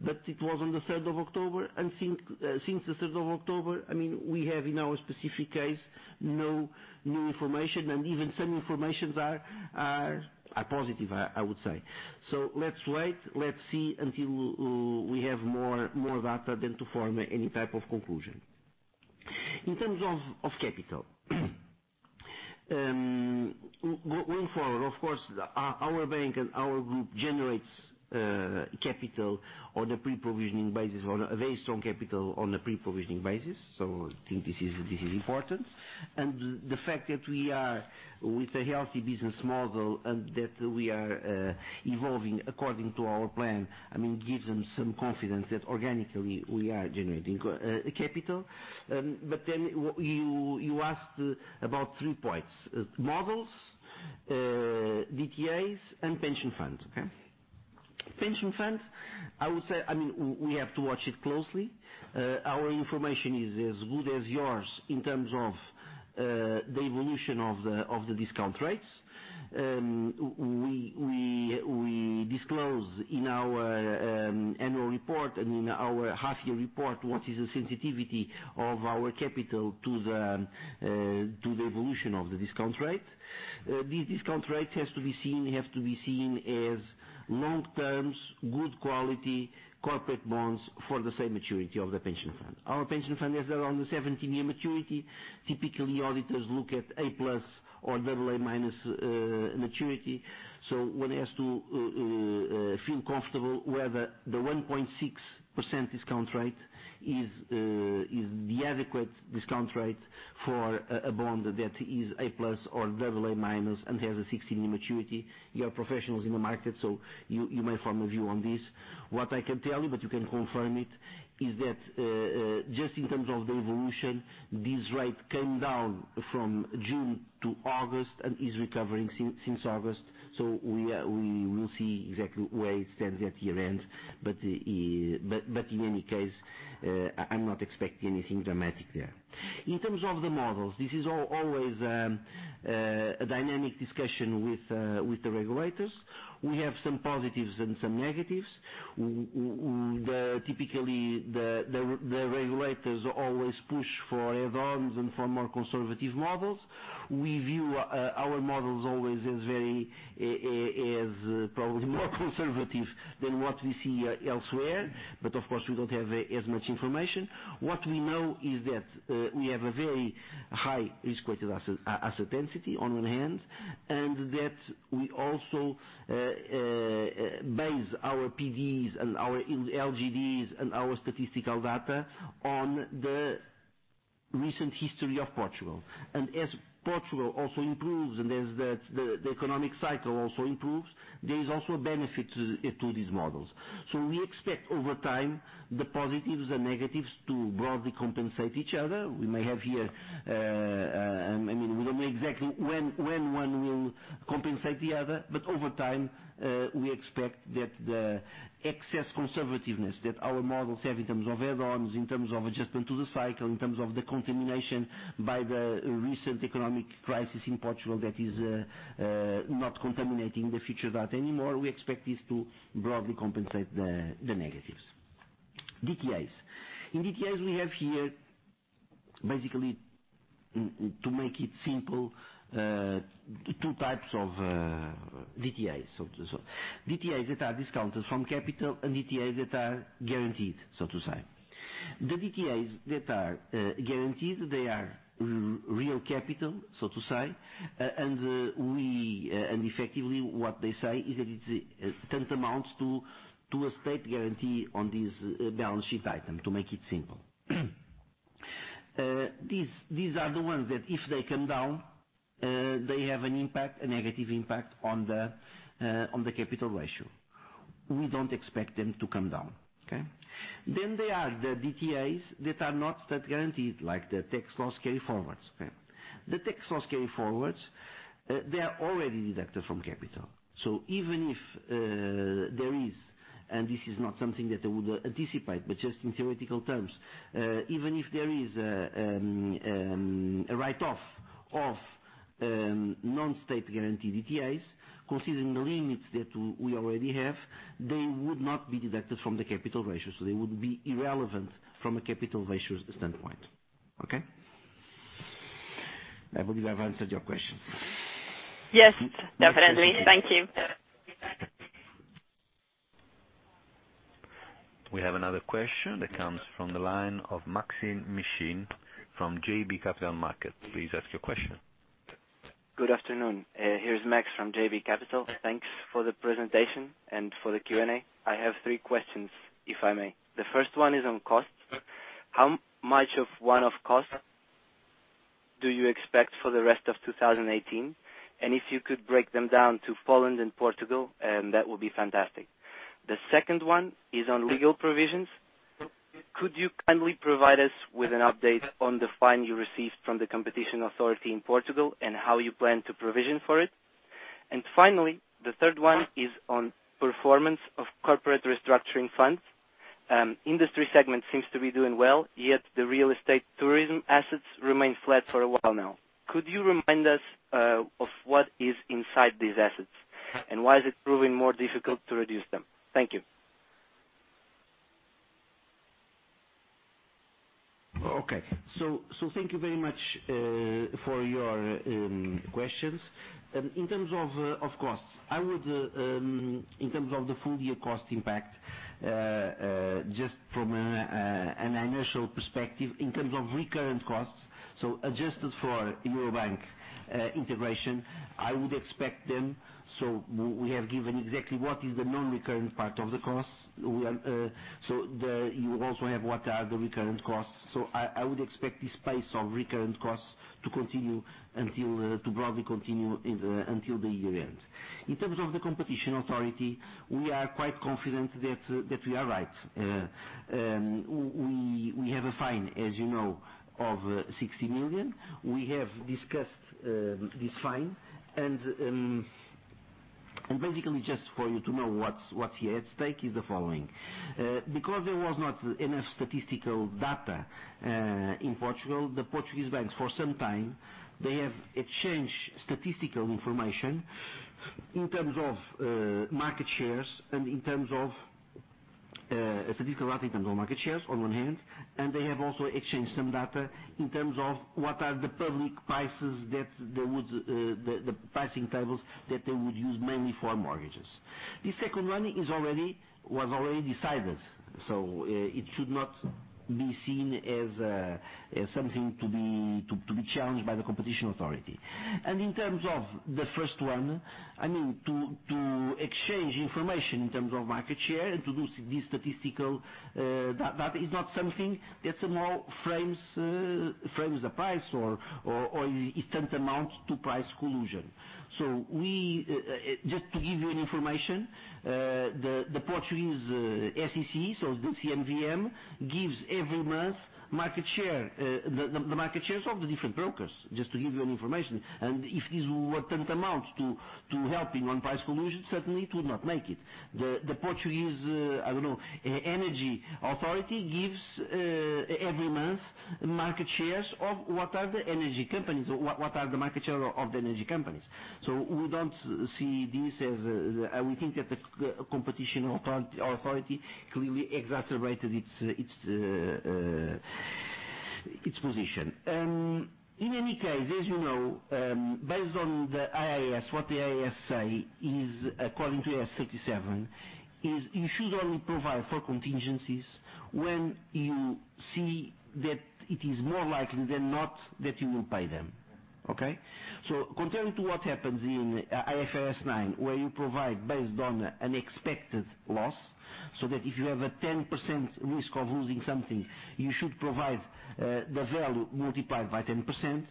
It was on the 3rd of October, and since the 3rd of October, we have, in our specific case, no new information, and even some information are positive, I would say. Let's wait, let's see until we have more data than to form any type of conclusion. In terms of capital. Going forward, of course, our bank and our group generates capital on a pre-provisioning basis or a very strong capital on a pre-provisioning basis. I think this is important. The fact that we are with a healthy business model and that we are evolving according to our plan, gives them some confidence that organically we are generating capital. You asked about 3 points. Models-DTAs and pension funds. Pension funds, we have to watch it closely. Our information is as good as yours in terms of the evolution of the discount rates. We disclose in our annual report and in our half-year report what is the sensitivity of our capital to the evolution of the discount rate. These discount rates have to be seen as long-term, good quality corporate bonds for the same maturity of the pension fund. Our pension fund has around the 17-year maturity. Typically, auditors look at A+ or AA- maturity. One has to feel comfortable whether the 1.6% discount rate is the adequate discount rate for a bond that is A+ or AA- and has a 16-year maturity. You are professionals in the market, so you may form a view on this. What I can tell you, but you can confirm it, is that just in terms of the evolution, this rate came down from June to August and is recovering since August. We will see exactly where it stands at the event. In any case, I'm not expecting anything dramatic there. In terms of the models, this is always a dynamic discussion with the regulators. We have some positives and some negatives. Typically, the regulators always push for add-ons and for more conservative models. We view our models always as probably more conservative than what we see elsewhere. Of course, we don't have as much information. What we know is that we have a very high risk-weighted asset density on one hand, and that we also base our PDs and our LGDs and our statistical data on the recent history of Portugal. As Portugal also improves and as the economic cycle also improves, there is also a benefit to these models. We expect over time the positives and negatives to broadly compensate each other. We don't know exactly when one will compensate the other, but over time, we expect that the excess conservativeness that our models have in terms of add-ons, in terms of adjustment to the cycle, in terms of the contamination by the recent economic crisis in Portugal that is not contaminating the future data anymore, we expect this to broadly compensate the negatives. DTAs. In DTAs, we have here, basically to make it simple, two types of DTAs. DTAs that are discounted from capital and DTAs that are guaranteed, so to say. The DTAs that are guaranteed, they are real capital, so to say, and effectively what they say is that it tantamount to a state guarantee on this balance sheet item, to make it simple. These are the ones that if they come down, they have a negative impact on the capital ratio. We don't expect them to come down. Okay. Then there are the DTAs that are not that guaranteed, like the tax loss carry-forwards. The tax loss carry-forwards, they are already deducted from capital. Even if there is, and this is not something that I would anticipate, but just in theoretical terms, even if there is a write-off of non-state guaranteed DTAs, considering the limits that we already have, they would not be deducted from the capital ratio. They would be irrelevant from a capital ratios standpoint. Okay. I believe I've answered your question. Yes, definitely. Thank you. We have another question that comes from the line of Maksym Mishyn from JB Capital Markets. Please ask your question. Good afternoon. Here's Max from JB Capital. Thanks for the presentation and for the Q&A. I have three questions, if I may. The first one is on costs. How much of one-off costs do you expect for the rest of 2018? If you could break them down to Poland and Portugal, that would be fantastic. The second one is on legal provisions. Could you kindly provide us with an update on the fine you received from the competition authority in Portugal and how you plan to provision for it? Finally, the third one is on performance of corporate restructuring funds. The industry segment seems to be doing well, yet the real estate tourism assets remain flat for a while now. Could you remind me of what is inside these assets, and why is it proving more difficult to reduce them? Thank you. Okay. Thank you very much for your questions. In terms of costs, in terms of the full year cost impact, just from an annual perspective, in terms of recurrent costs, adjusted for Eurobank integration, I would expect them. We have given exactly what is the non-recurrent part of the cost. You also have what are the recurrent costs. I would expect this pace of recurrent costs to broadly continue until the year ends. In terms of the competition authority, we are quite confident that we are right. We have a fine, as you know, of 60 million. We have discussed this fine. Basically just for you to know what's at stake is the following. Because there was not enough statistical data in Portugal, the Portuguese banks, for some time, they have exchanged statistical information in terms of market shares and in terms of statistical data in terms of market shares on one hand, and they have also exchanged some data in terms of what are the public prices that they would, the pricing tables that they would use mainly for mortgages. This second one was already decided. It should not be seen as something to be challenged by the competition authority. In terms of the first one, to exchange information in terms of market share and to do this statistical data is not something that somehow frames the price or tantamount to price collusion. Just to give you an information, the Portuguese SEC, so the CMVM, gives every month the market shares of the different brokers, just to give you an information. If this will attempt amount to helping on price collusion, certainly it would not make it. The Portuguese, I don't know, energy authority gives every month market shares of what are the energy companies, what are the market share of the energy companies. We don't see this as, we think that the competition authority clearly exacerbated its position. In any case, as you know, based on the IAS, what the IAS say is according to IAS 37 is you should only provide for contingencies when you see that it is more likely than not that you will pay them. Okay? Contrary to what happens in IFRS 9, where you provide based on an expected loss, that if you have a 10% risk of losing something, you should provide the value multiplied by 10%.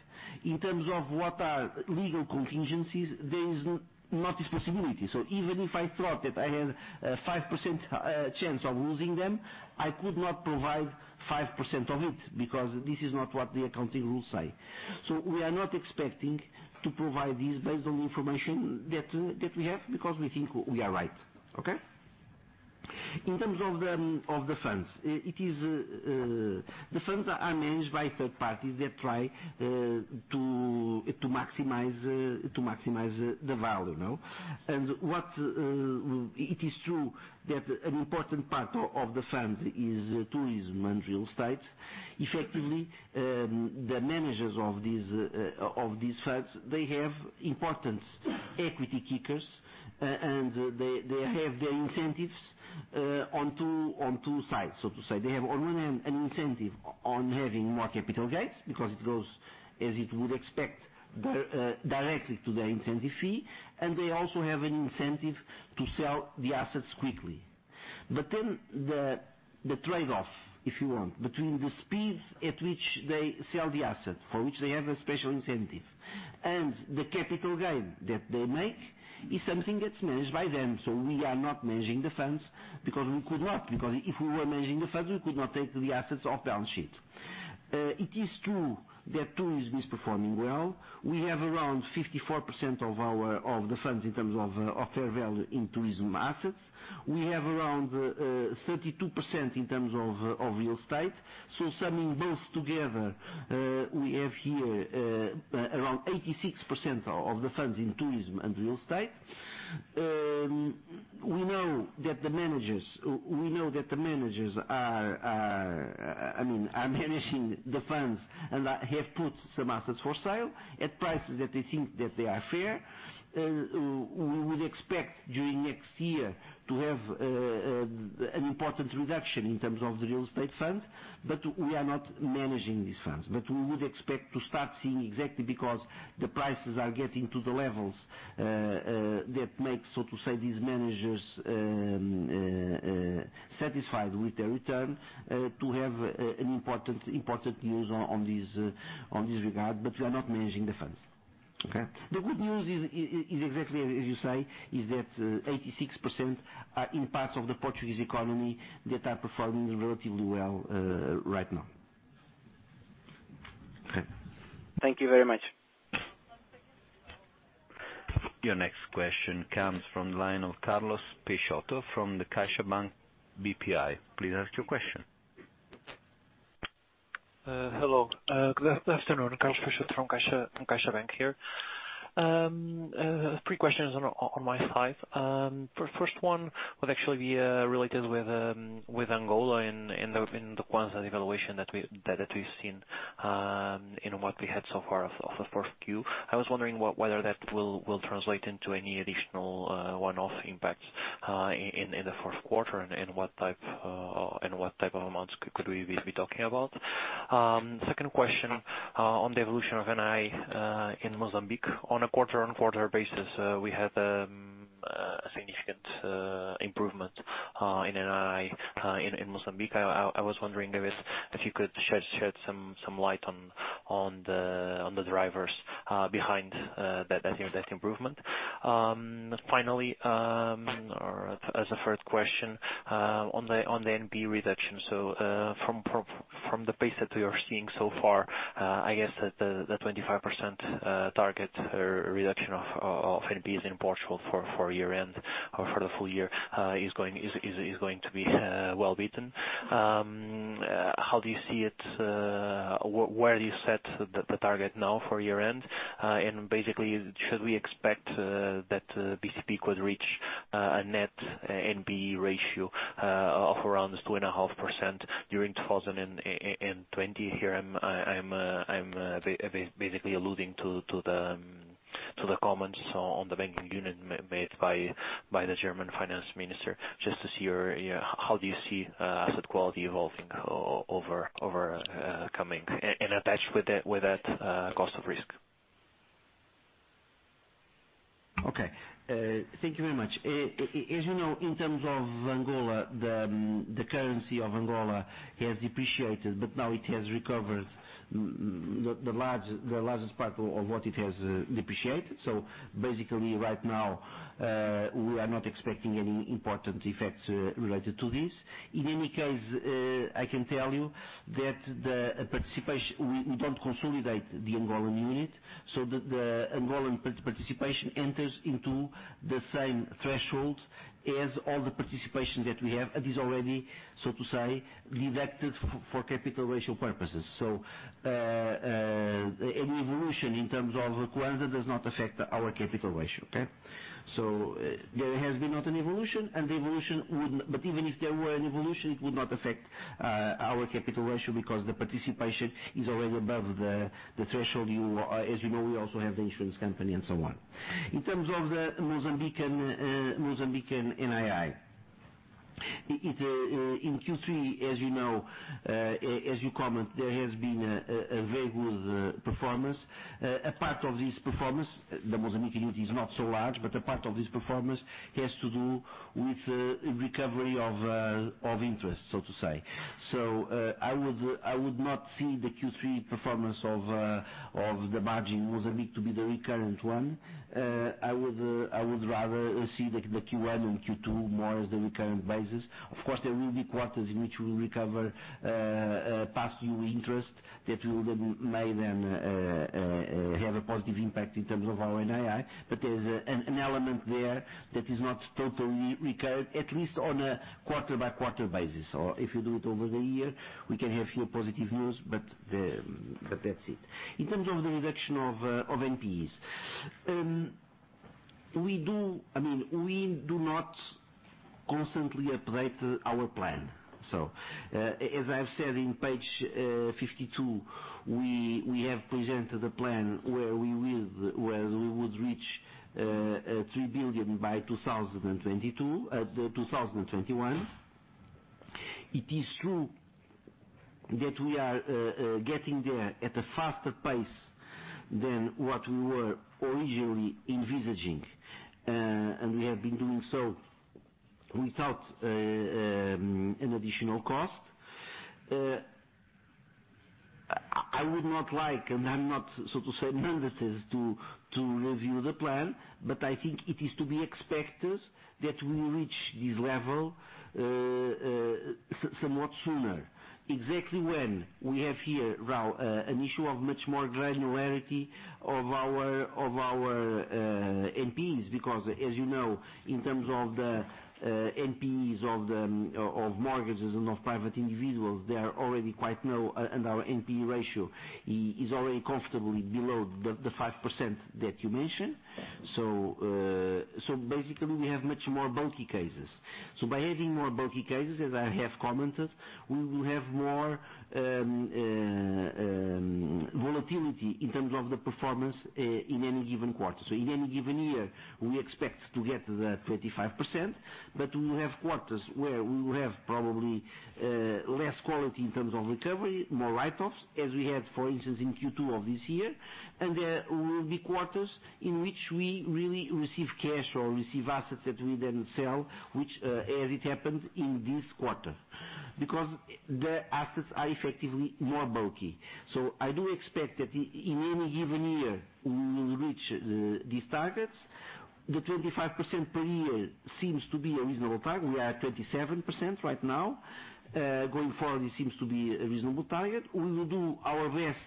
In terms of what are legal contingencies, there is not this possibility. Even if I thought that I had a 5% chance of losing them, I could not provide 5% of it because this is not what the accounting rules say. We are not expecting to provide this based on information that we have because we think we are right. Okay. In terms of the funds. The funds are managed by third parties that try to maximize the value. It is true that an important part of the fund is tourism and real estate. Effectively, the managers of these funds, they have important equity kickers, and they have their incentives on two sides, so to say. They have on one hand, an incentive on having more capital gains because it goes, as it would expect, directly to their incentive fee. They also have an incentive to sell the assets quickly. The trade-off, if you want, between the speed at which they sell the asset, for which they have a special incentive, and the capital gain that they make is something that's managed by them. We are not managing the funds because we could not. If we were managing the funds, we could not take the assets off balance sheet. It is true that tourism is performing well. We have around 54% of the funds in terms of fair value in tourism assets. We have around 32% in terms of real estate. Summing both together, we have here around 86% of the funds in tourism and real estate. We know that the managers are managing the funds and have put some assets for sale at prices that they think that they are fair. We would expect during next year to have an important reduction in terms of the real estate funds, but we are not managing these funds. We would expect to start seeing, exactly because the prices are getting to the levels that make, so to say, these managers satisfied with their return, to have an important use on this regard. We are not managing the funds. Okay. The good news is exactly as you say, is that 86% are in parts of the Portuguese economy that are performing relatively well right now. Okay. Thank you very much. Your next question comes from the line of Carlos Peixoto from the CaixaBank BPI. Please ask your question. Hello. Good afternoon. Carlos Peixoto from CaixaBank here. Three questions on my side. First one would actually be related with Angola in the kwanza devaluation that we've seen in what we had so far of Q1. I was wondering whether that will translate into any additional one-off impacts in the fourth quarter, and what type of amounts could we be talking about? Second question on the evolution of NII in Mozambique. On a quarter-on-quarter basis, we had a significant improvement in NII in Mozambique. I was wondering if you could shed some light on the drivers behind that improvement. Finally, as a third question, on the NPE reduction. From the pace that we are seeing so far, I guess that the 25% target reduction of NPEs in Portugal for year-end or for the full year is going to be well beaten. How do you see it? Where do you set the target now for year-end? Basically, should we expect that BCP could reach a net NPE ratio of around 2.5% during 2020? Here, I'm basically alluding to the comments on the banking union made by the German finance minister, just to see how do you see asset quality evolving over coming, and attached with that cost of risk. Okay. Thank you very much. As you know, in terms of Angola, the currency of Angola has depreciated, but now it has recovered the largest part of what it has depreciated. Basically, right now, we are not expecting any important effects related to this. In any case, I can tell you that we don't consolidate the Angolan unit, the Angolan participation enters into the same thresholds as all the participation that we have. It is already, so to say, deducted for capital ratio purposes. Any evolution in terms of kwanza does not affect our capital ratio, okay? There has been not an evolution, even if there were an evolution, it would not affect our capital ratio because the participation is already above the threshold. As you know, we also have the insurance company and so on. In terms of the Mozambican NII. In Q3, as you know, as you comment, there has been a very good performance. A part of this performance, the Mozambique unit is not so large, but a part of this performance has to do with recovery of interest, so to say. I would not see the Q3 performance of the margin Mozambique to be the recurrent one. I would rather see the Q1 and Q2 more as the recurrent basis. Of course, there will be quarters in which we will recover past due interest that may then have a positive impact in terms of our NII, but there's an element there that is not totally recurrent, at least on a quarter-by-quarter basis. If you do it over the year, we can have few positive news, but that's it. In terms of the reduction of NPEs. We do not constantly update our plan. As I've said in page 52, we have presented a plan where we would reach 3 billion by 2021. It is true that we are getting there at a faster pace than what we were originally envisaging. We have been doing so without an additional cost. I would not like, and I am not, so to say, mandated to review the plan, but I think it is to be expected that we reach this level somewhat sooner. Exactly when? We have here, [Raul], an issue of much more granularity of our NPEs, because as you know, in terms of the NPEs of mortgages and of private individuals, they are already quite low, and our NPE ratio is already comfortably below the 5% that you mentioned. Basically, we have much more bulky cases. By having more bulky cases, as I have commented, we will have more volatility in terms of the performance in any given quarter. In any given year, we expect to get the 35%, but we will have quarters where we will have probably less quality in terms of recovery, more write-offs, as we had, for instance, in Q2 of this year. There will be quarters in which we really receive cash or receive assets that we then sell, which as it happened in this quarter. Because the assets are effectively more bulky. I do expect that in any given year, we will reach these targets. The 25% per year seems to be a reasonable target. We are at 37% right now. Going forward, it seems to be a reasonable target. We will do our best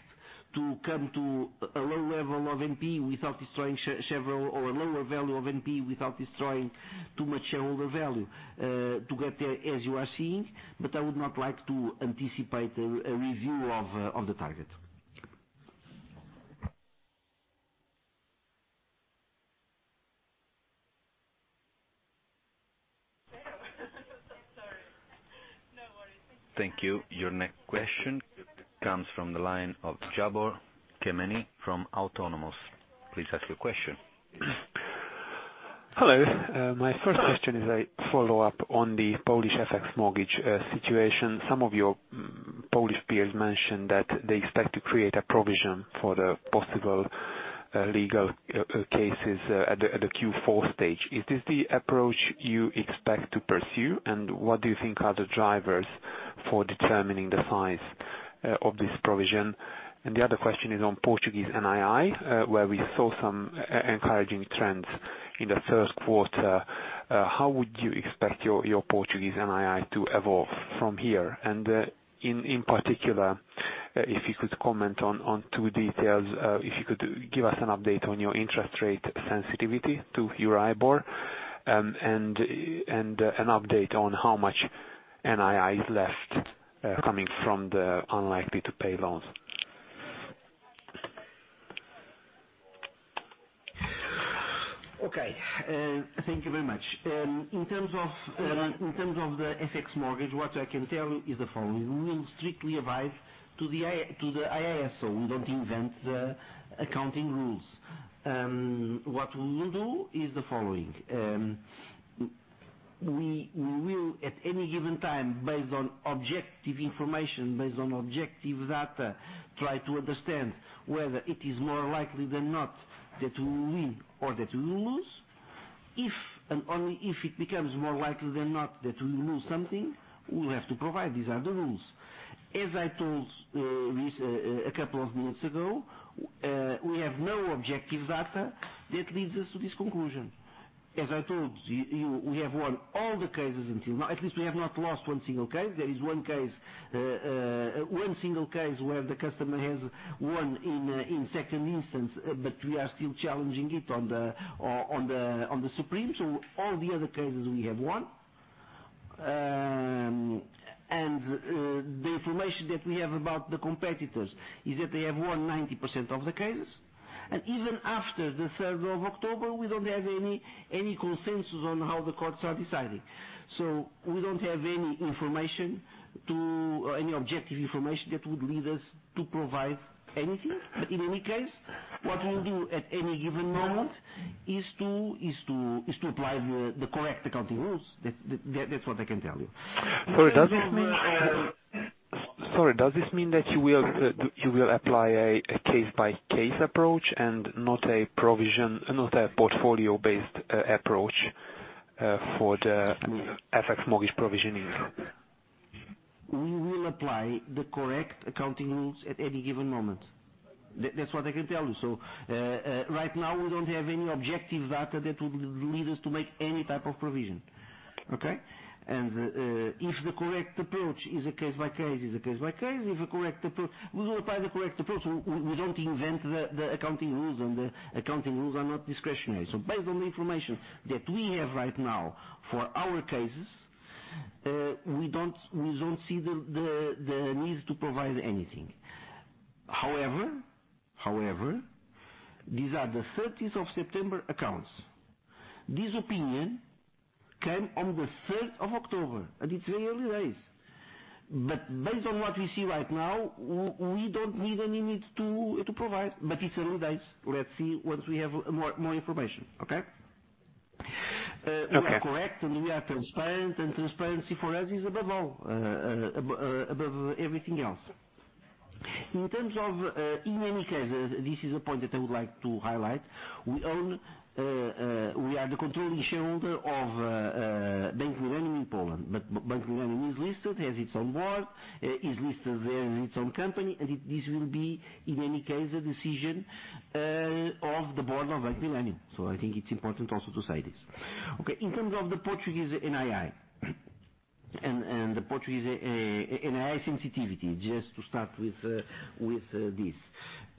to come to a low level of NPE without destroying several, or a lower value of NPE, without destroying too much shareholder value to get there, as you are seeing. I would not like to anticipate a review of the target. Thank you. Your next question comes from the line of Gabor Kemeny from Autonomous. Please ask your question. Hello. My first question is a follow-up on the Polish FX mortgage situation. Some of your Polish peers mentioned that they expect to create a provision for the possible legal cases at the Q4 stage. Is this the approach you expect to pursue? What do you think are the drivers for determining the size of this provision? The other question is on Portuguese NII, where we saw some encouraging trends in the first quarter. How would you expect your Portuguese NII to evolve from here? In particular, if you could comment on two details, if you could give us an update on your interest rate sensitivity to Euribor. An update on how much NII is left coming from the unlikely to pay loans. Okay. Thank you very much. In terms of the FX mortgage, what I can tell you is the following. We will strictly abide to the IAS. We don't invent the accounting rules. What we will do is the following. We will, at any given time, based on objective information, based on objective data, try to understand whether it is more likely than not that we will win or that we will lose. If and only if it becomes more likely than not that we will lose something, we will have to provide. These are the rules. As I told this a couple of minutes ago, we have no objective data that leads us to this conclusion. As I told you, we have won all the cases until now. At least we have not lost one single case. There is one single case where the customer has won in second instance, but we are still challenging it on the Supreme. All the other cases we have won. The information that we have about the competitors is that they have won 90% of the cases. Even after the 3rd of October, we don't have any consensus on how the courts are deciding. We don't have any objective information that would lead us to provide anything. In any case, what we will do at any given moment is to apply the correct accounting rules. That's what I can tell you. Sorry, does this mean that you will apply a case-by-case approach and not a portfolio-based approach for the FX mortgage provisionings? We will apply the correct accounting rules at any given moment. That's what I can tell you. Right now, we don't have any objective data that would lead us to make any type of provision. Okay. If the correct approach is a case-by-case. We will apply the correct approach. We don't invent the accounting rules, and the accounting rules are not discretionary. Based on the information that we have right now for our cases, we don't see the need to provide anything. However, these are the 30th of September accounts. This opinion came on the 3rd of October, and it's very early days. Based on what we see right now, we don't need to provide. It's early days. Let's see once we have more information. Okay. Okay. We are correct, we are transparent, transparency for us is above everything else. In any case, this is a point that I would like to highlight. We are the controlling shareholder of Bank Millennium in Poland. Bank Millennium is listed, has its own board, is listed there as its own company, this will be, in any case, a decision of the board of Bank Millennium. I think it's important also to say this. Okay, in terms of the Portuguese NII and the Portuguese NII sensitivity, just to start with this.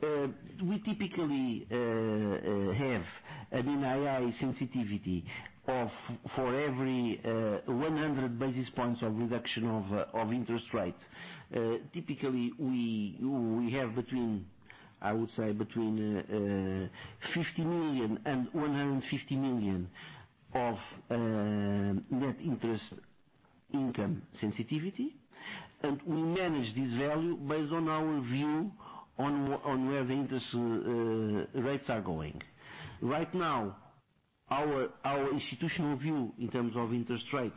We typically have an NII sensitivity of, for every 100 basis points of reduction of interest rate. Typically, we have, I would say, between 50 million and 150 million of net interest income sensitivity. We manage this value based on our view on where the interest rates are going. Right now, our institutional view in terms of interest rates,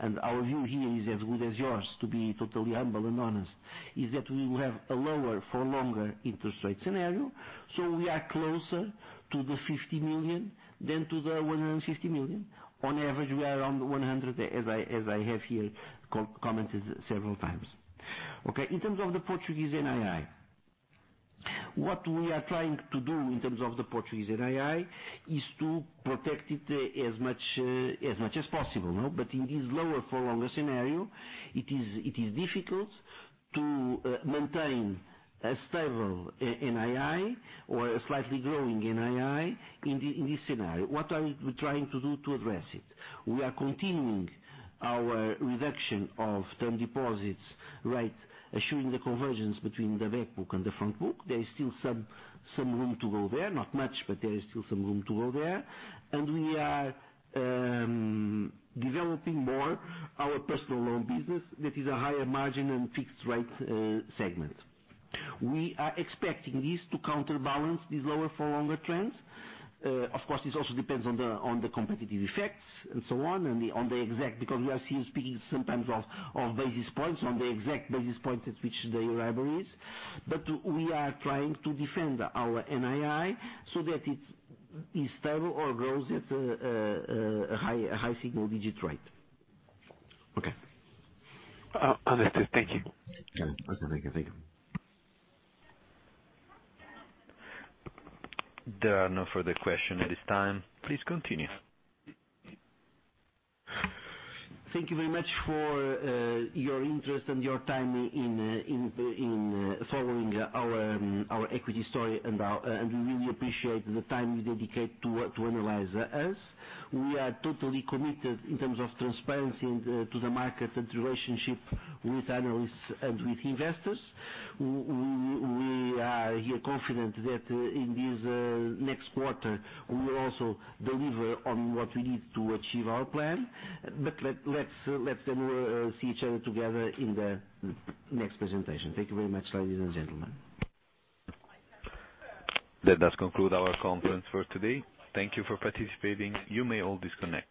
and our view here is as good as yours, to be totally humble and honest, is that we will have a lower for longer interest rate scenario. We are closer to the 50 million than to the 150 million. On average, we are around the 100, as I have here commented several times. Okay, in terms of the Portuguese NII. What we are trying to do in terms of the Portuguese NII is to protect it as much as possible. In this lower for longer scenario, it is difficult to maintain a stable NII or a slightly growing NII in this scenario. What are we trying to do to address it? We are continuing our reduction of term deposits rate, ensuring the convergence between the back book and the front book. There is still some room to go there, not much, but there is still some room to go there. We are developing more our personal loan business, that is a higher margin and fixed rate segment. We are expecting this to counterbalance these lower for longer trends. Of course, this also depends on the competitive effects and so on, and on the exact, because we are still speaking sometimes of basis points, on the exact basis point at which the Euribor is. We are trying to defend our NII so that it is stable or grows at a high single-digit rate. Okay. Understood. Thank you. Okay. Thank you. There are no further questions at this time. Please continue. Thank you very much for your interest and your time in following our equity story, and we really appreciate the time you dedicate to analyze us. We are totally committed in terms of transparency to the market and relationship with analysts and with investors. We are here confident that in this next quarter, we will also deliver on what we need to achieve our plan. Let's see each other together in the next presentation. Thank you very much, ladies and gentlemen. That does conclude our conference for today. Thank you for participating. You may all disconnect.